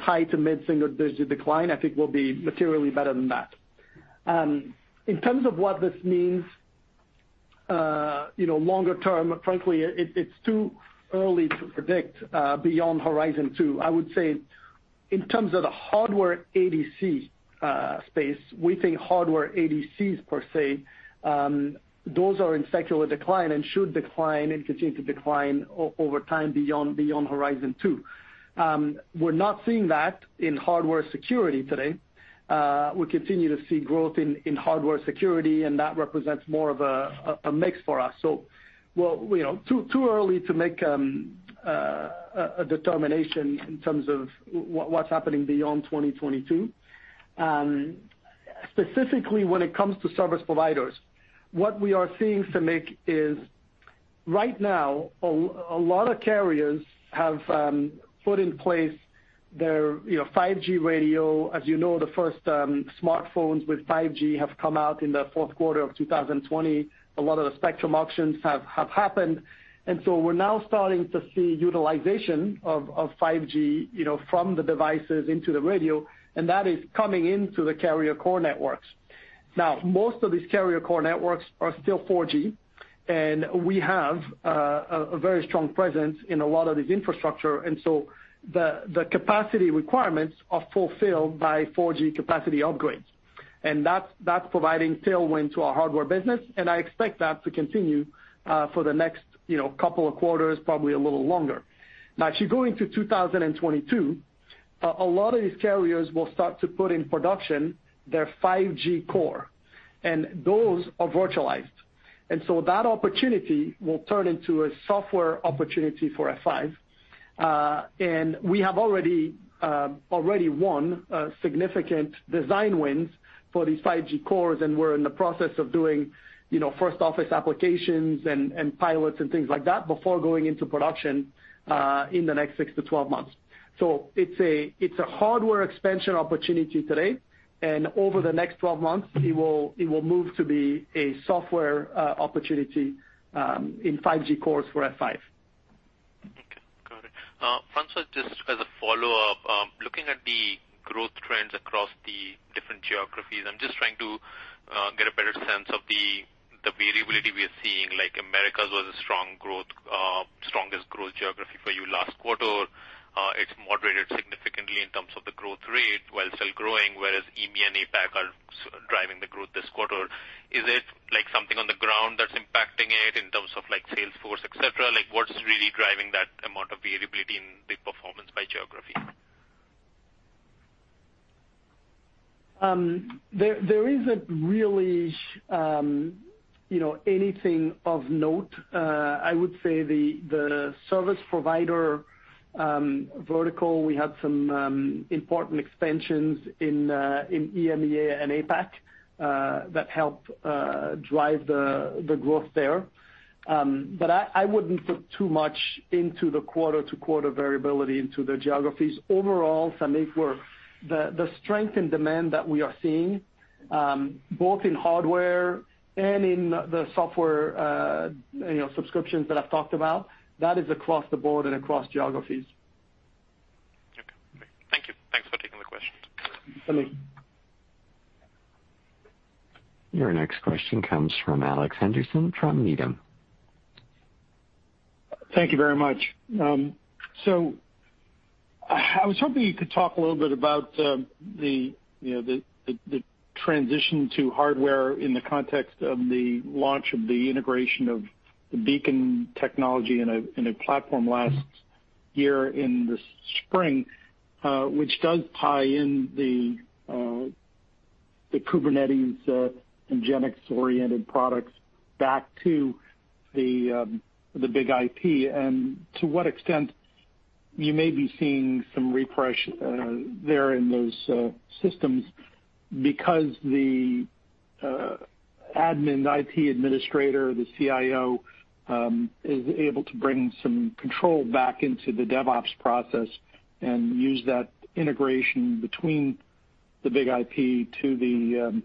high to mid-single digit decline. I think we'll be materially better than that. In terms of what this means longer term, frankly, it's too early to predict beyond Horizon 2. I would say in terms of the hardware ADC space, we think hardware ADCs per se, those are in secular decline and should decline and continue to decline over time beyond Horizon 2. We're not seeing that in hardware security today. We continue to see growth in hardware security, and that represents more of a mix for us. Too early to make a determination in terms of what's happening beyond 2022. Specifically, when it comes to service providers, what we are seeing, Samik, is right now, a lot of carriers have put in place their 5G radio. As you know, the first smartphones with 5G have come out in the fourth quarter of 2020. A lot of the spectrum auctions have happened. We're now starting to see utilization of 5G from the devices into the radio, and that is coming into the carrier core networks. Most of these carrier core networks are still 4G, and we have a very strong presence in a lot of these infrastructure. The capacity requirements are fulfilled by 4G capacity upgrades, and that's providing tailwind to our hardware business, and I expect that to continue for the next couple of quarters, probably a little longer. Now, as you go into 2022, a lot of these carriers will start to put in production their 5G core, and those are virtualized. That opportunity will turn into a software opportunity for F5. We have already won significant design wins for these 5G cores, and we're in the process of doing first office applications and pilots and things like that before going into production in the next 6-12 months. It's a hardware expansion opportunity today, and over the next 12 months, it will move to be a software opportunity in 5G cores for F5. Okay, got it. François, just as a follow-up, looking at the growth trends across the different geographies, I'm just trying to get a better sense of the variability we are seeing, like Americas was the strongest growth geography for you last quarter. It's moderated significantly in terms of the growth rate while still growing, whereas EMEA and APAC are driving the growth this quarter. Is it something on the ground that's impacting it in terms of sales force, et cetera? What's really driving that amount of variability in the performance by geography? There isn't really anything of note. I would say the service provider vertical, we had some important expansions in EMEA and APAC that helped drive the growth there. I wouldn't put too much into the quarter-to-quarter variability into the geographies. Overall, Samik, the strength in demand that we are seeing, both in hardware and in the software subscriptions that I've talked about, that is across the board and across geographies. Okay. Great. Thank you. Thanks for taking the question. Samik. Your next question comes from Alex Henderson from Needham. Thank you very much. I was hoping you could talk a little bit about the transition to hardware in the context of the launch of the integration of the Beacon technology in a platform last year in the spring, which does tie in the Kubernetes and NGINX-oriented products back to the BIG-IP, and to what extent you may be seeing some refresh there in those systems because the admin, IT administrator, the CIO is able to bring some control back into the DevOps process and use that integration between the BIG-IP to the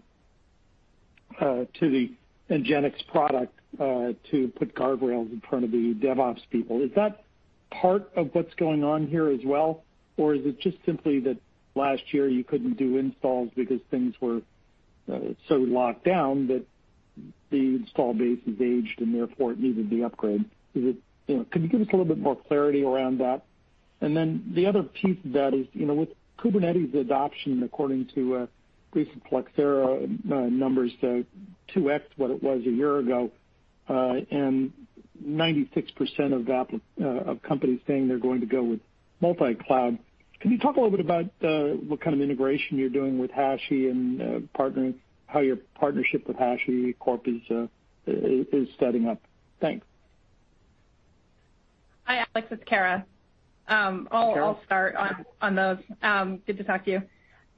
NGINX product to put guardrails in front of the DevOps people. Is that part of what's going on here as well? Or is it just simply that last year you couldn't do installs because things were so locked down that the install base has aged and therefore it needed the upgrade? Could you give us a little bit more clarity around that? Then the other piece of that is with Kubernetes adoption, according to recent Flexera numbers, 2x what it was a year ago, and 96% of companies saying they're going to go with multi-cloud. Can you talk a little bit about what kind of integration you're doing with Hashi and how your partnership with HashiCorp is setting up? Thanks. Hi, Alex. It's Kara. Hi, Kara. I'll start on those. Good to talk to you.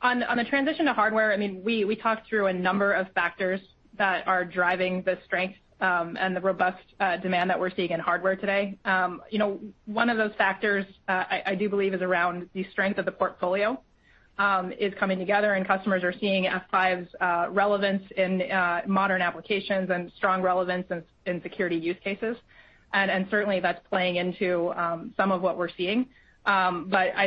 On the transition to hardware, we talked through a number of factors that are driving the strength and the robust demand that we're seeing in hardware today. One of those factors, I do believe, is around the strength of the portfolio is coming together and customers are seeing F5's relevance in modern applications and strong relevance in security use cases. Certainly that's playing into some of what we're seeing. I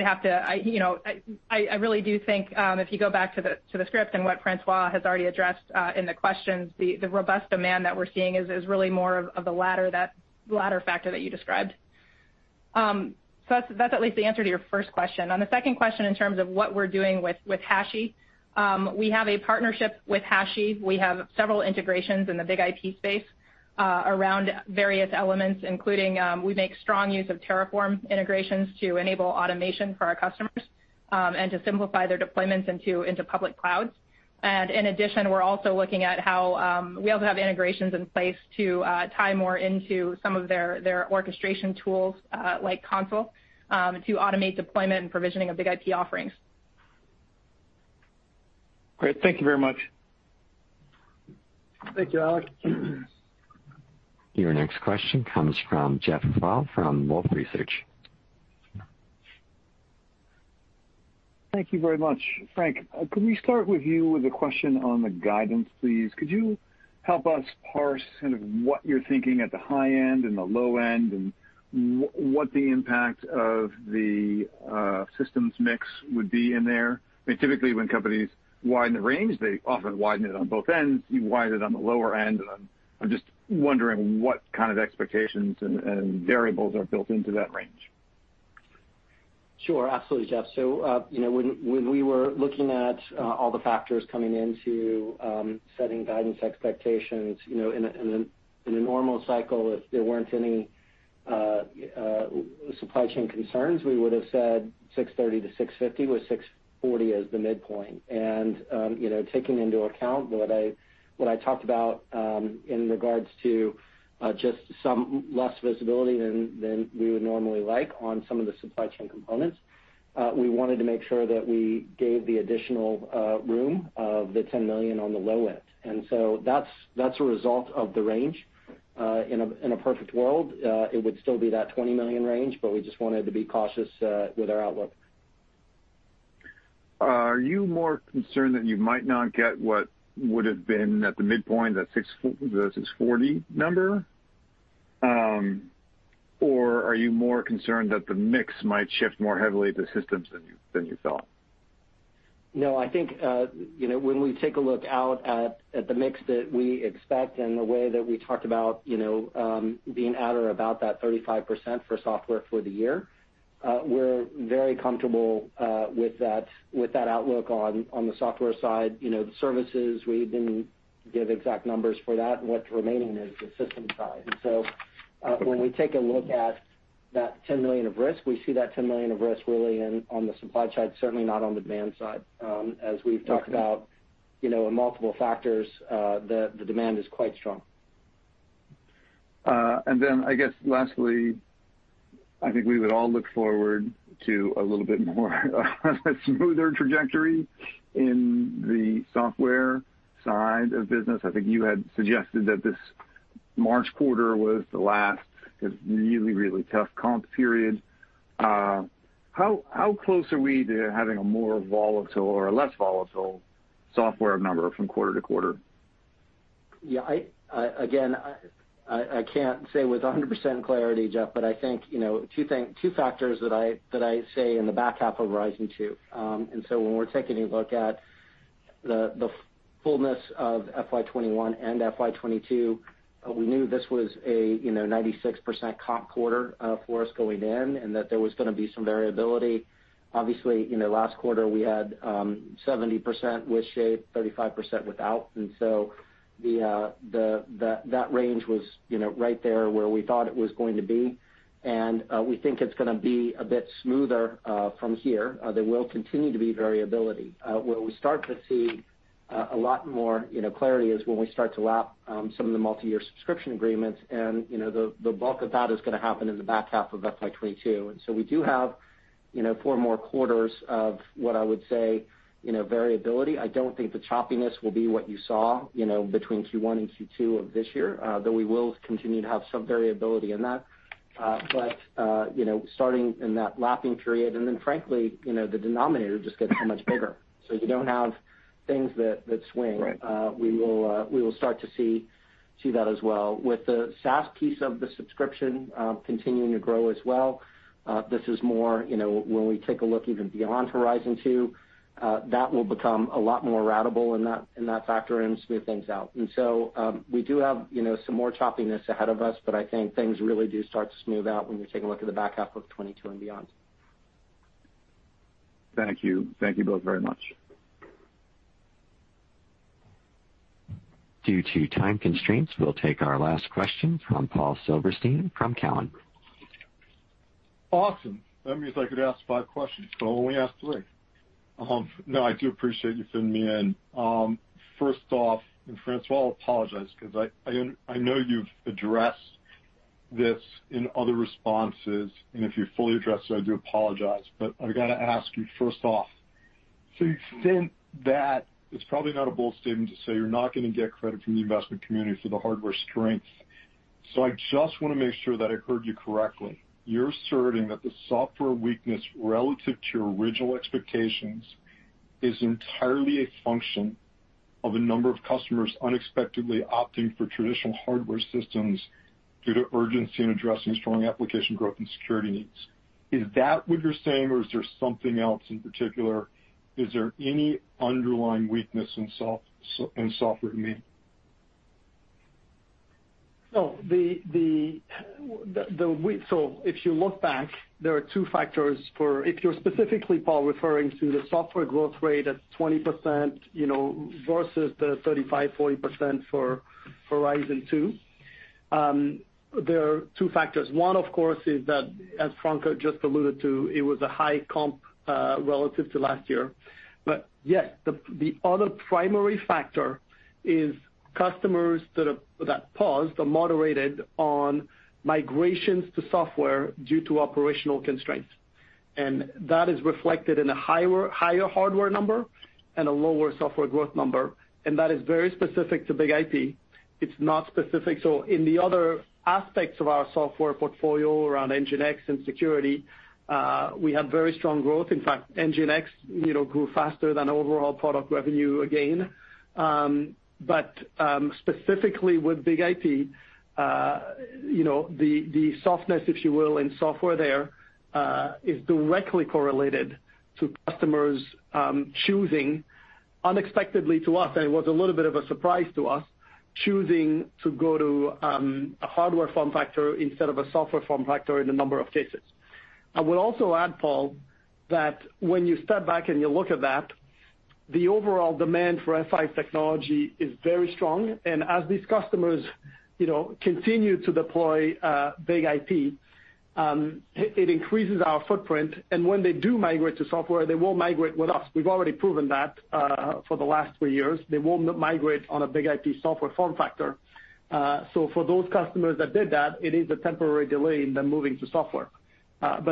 really do think if you go back to the script and what François has already addressed in the questions, the robust demand that we're seeing is really more of the latter factor that you described. That's at least the answer to your first question. On the second question, in terms of what we're doing with Hashi, we have a partnership with Hashi. We have several integrations in the BIG-IP space around various elements, including we make strong use of Terraform integrations to enable automation for our customers, and to simplify their deployments into public clouds. In addition, we also have integrations in place to tie more into some of their orchestration tools, like Consul, to automate deployment and provisioning of BIG-IP offerings. Great. Thank you very much. Thank you, Alex. Your next question comes from Jeff Kvaal from Wolfe Research. Thank you very much. Frank, could we start with you with a question on the guidance, please? Could you help us parse kind of what you're thinking at the high end and the low end, and what the impact of the systems mix would be in there? I mean, typically when companies widen the range, they often widen it on both ends. You widen it on the lower end, I'm just wondering what kind of expectations and variables are built into that range. Sure. Absolutely, Jeff. When we were looking at all the factors coming into setting guidance expectations in a normal cycle if there weren't any supply chain concerns, we would have said $630-$650, with $640 as the midpoint. Taking into account what I talked about in regards to just some less visibility than we would normally like on some of the supply chain components, we wanted to make sure that we gave the additional room of the $10 million on the low end. That's a result of the range. In a perfect world, it would still be that $20 million range, but we just wanted to be cautious with our outlook. Are you more concerned that you might not get what would have been at the midpoint, the 640 number? Or are you more concerned that the mix might shift more heavily to systems than you thought? No, I think, when we take a look out at the mix that we expect and the way that we talked about being at or about that 35% for software for the year, we're very comfortable with that outlook on the software side. The services, we didn't give exact numbers for that, and what's remaining is the system side. When we take a look at that $10 million of risk, we see that $10 million of risk really on the supply side, certainly not on demand side. As we've talked about in multiple factors, the demand is quite strong. I guess lastly, I think we would all look forward to a little bit more smoother trajectory in the software side of business. I think you had suggested that this March quarter was the last really tough comp period. How close are we to having a more volatile or less volatile software number from quarter to quarter? Yeah. Again, I can't say with 100% clarity, Jeff, but I think, two factors that I say in the back half of Horizon 2. When we're taking a look at the fullness of FY 2021 and FY 2022, we knew this was a 96% comp quarter for us going in, and that there was going to be some variability. Obviously, last quarter we had 70% with Shape, 35% without. That range was right there where we thought it was going to be, and we think it's going to be a bit smoother from here. There will continue to be variability. Where we start to see a lot more clarity is when we start to lap some of the multi-year subscription agreements, and the bulk of that is going to happen in the back half of FY 2022. We do have four more quarters of what I would say variability. I don't think the choppiness will be what you saw between Q1 and Q2 of this year, though we will continue to have some variability in that. Starting in that lapping period, and then frankly, the denominator just gets so much bigger, so you don't have things that swing. Right. We will start to see that as well. With the SaaS piece of the subscription continuing to grow as well, this is more when we take a look even beyond Horizon 2, that will become a lot more ratable in that factor and smooth things out. We do have some more choppiness ahead of us, but I think things really do start to smooth out when we take a look at the back half of 2022 and beyond. Thank you. Thank you both very much. Due to time constraints, we'll take our last question from Paul Silverstein from Cowen. Awesome. That means I could ask five questions, but I'll only ask three. I do appreciate you fitting me in. First off, François, I apologize because I know you've addressed this in other responses, and if you've fully addressed it, I do apologize, I've got to ask you first off. To the extent that it's probably not a bold statement to say you're not going to get credit from the investment community for the hardware strength. I just want to make sure that I heard you correctly. You're asserting that the software weakness relative to your original expectations is entirely a function of the number of customers unexpectedly opting for traditional hardware systems due to urgency in addressing strong application growth and security needs. Is that what you're saying, or is there something else in particular? Is there any underlying weakness in software you mean? If you look back, there are two factors for if you're specifically, Paul, referring to the software growth rate at 20% versus the 35%, 40% for Horizon 2. There are two factors. One, of course, is that, as François just alluded to, it was a high comp, relative to last year. Yes, the other primary factor is customers that paused or moderated on migrations to software due to operational constraints. That is reflected in a higher hardware number and a lower software growth number. That is very specific to BIG-IP. In the other aspects of our software portfolio around NGINX and security, we have very strong growth. In fact, NGINX grew faster than overall product revenue again. Specifically with BIG-IP, the softness, if you will, in software there, is directly correlated to customers choosing unexpectedly to us, and it was a little bit of a surprise to us, choosing to go to a hardware form factor instead of a software form factor in a number of cases. I would also add, Paul, that when you step back and you look at that, the overall demand for F5 technology is very strong. As these customers continue to deploy BIG-IP, it increases our footprint. When they do migrate to software, they will migrate with us. We've already proven that for the last three years. They will migrate on a BIG-IP software form factor. For those customers that did that, it is a temporary delay in them moving to software.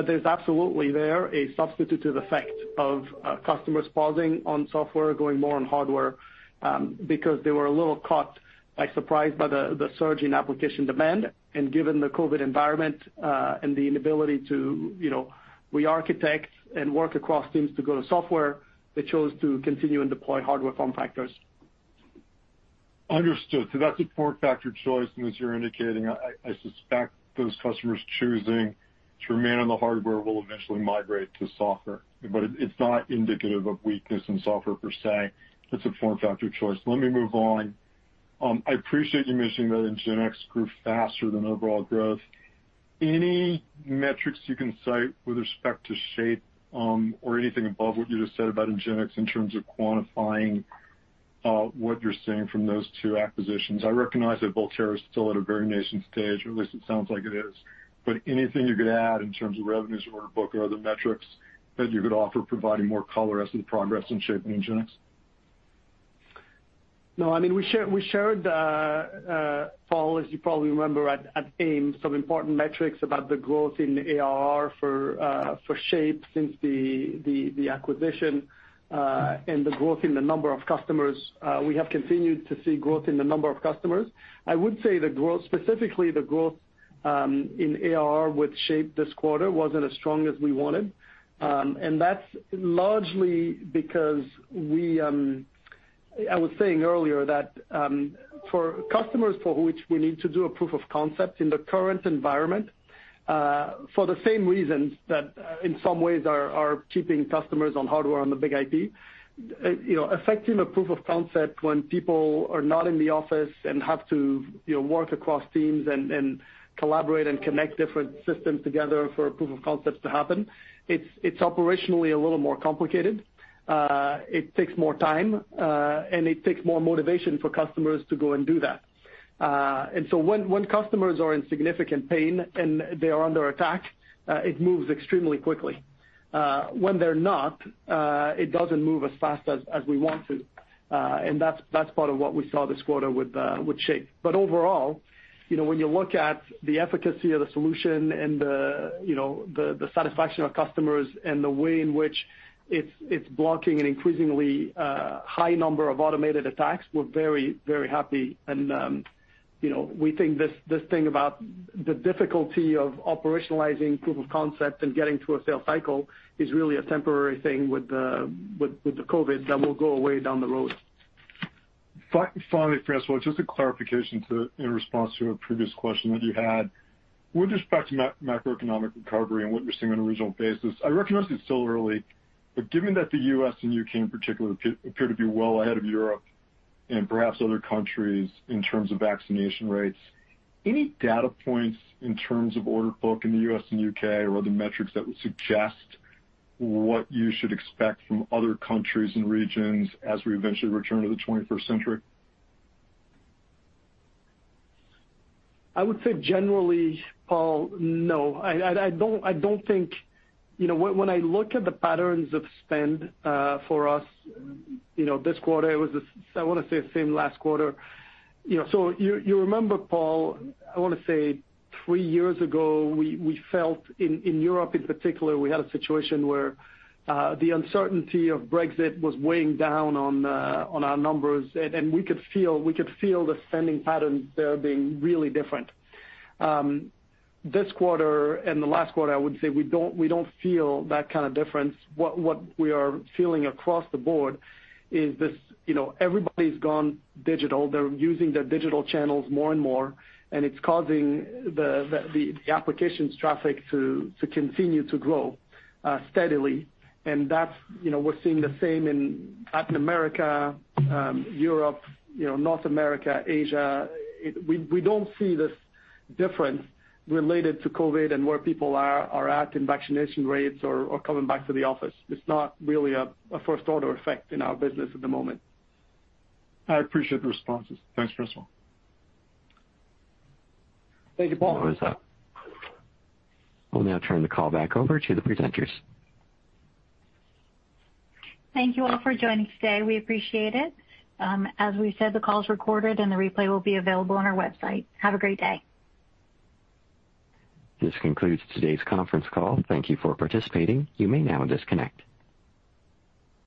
There's absolutely there a substitutive effect of customers pausing on software, going more on hardware, because they were a little caught by surprise by the surge in application demand. Given the COVID-19 environment, and the inability to re-architect and work across teams to go to software, they chose to continue and deploy hardware form factors. Understood. That's a form factor choice. As you're indicating, I suspect those customers choosing to remain on the hardware will eventually migrate to software. It's not indicative of weakness in software per se. It's a form factor choice. Let me move on. I appreciate you mentioning that NGINX grew faster than overall growth. Any metrics you can cite with respect to Shape, or anything above what you just said about NGINX in terms of quantifying what you're seeing from those two acquisitions? I recognize that Volterra is still at a very nascent stage, or at least it sounds like it is. Anything you could add in terms of revenues or order book or other metrics that you could offer providing more color as to the progress in Shape and NGINX? No, we shared, Paul, as you probably remember, at AIM, some important metrics about the growth in ARR for Shape since the acquisition, and the growth in the number of customers. We have continued to see growth in the number of customers. I would say specifically the growth in ARR with Shape this quarter wasn't as strong as we wanted. That's largely because I was saying earlier that, for customers for which we need to do a proof of concept in the current environment, for the same reasons that in some ways are keeping customers on hardware on the BIG-IP, affecting a proof of concept when people are not in the office and have to work across teams and collaborate and connect different systems together for a proof of concept to happen, it's operationally a little more complicated. It takes more time, and it takes more motivation for customers to go and do that. When customers are in significant pain and they are under attack, it moves extremely quickly. When they're not, it doesn't move as fast as we want to. That's part of what we saw this quarter with Shape. Overall, when you look at the efficacy of the solution and the satisfaction of customers and the way in which it's blocking an increasingly high number of automated attacks, we're very happy. We think this thing about the difficulty of operationalizing proof of concept and getting to a sale cycle is really a temporary thing with the COVID that will go away down the road. Finally, François, just a clarification in response to a previous question that you had. With respect to macroeconomic recovery and what you're seeing on a regional basis, I recognize it's still early, but given that the U.S. and U.K. in particular appear to be well ahead of Europe and perhaps other countries in terms of vaccination rates, any data points in terms of order book in the U.S. and U.K. or other metrics that would suggest what you should expect from other countries and regions as we eventually return to the 21st century? I would say generally, Paul, no. When I look at the patterns of spend for us this quarter, I want to say the same last quarter. You remember, Paul, I want to say three years ago, we felt in Europe in particular, we had a situation where the uncertainty of Brexit was weighing down on our numbers, and we could feel the spending patterns there being really different. This quarter and the last quarter, I would say we don't feel that kind of difference. What we are feeling across the board is this everybody's gone digital. They're using their digital channels more and more, and it's causing the applications traffic to continue to grow steadily. We're seeing the same in Latin America, Europe, North America, Asia. We don't see this difference related to COVID and where people are at in vaccination rates or coming back to the office. It's not really a first order effect in our business at the moment. I appreciate the responses. Thanks, François. Thank you, Paul. We'll now turn the call back over to the presenters. Thank you all for joining today. We appreciate it. As we said, the call is recorded, and the replay will be available on our website. Have a great day. This concludes today's conference call. Thank you for participating. You may now disconnect.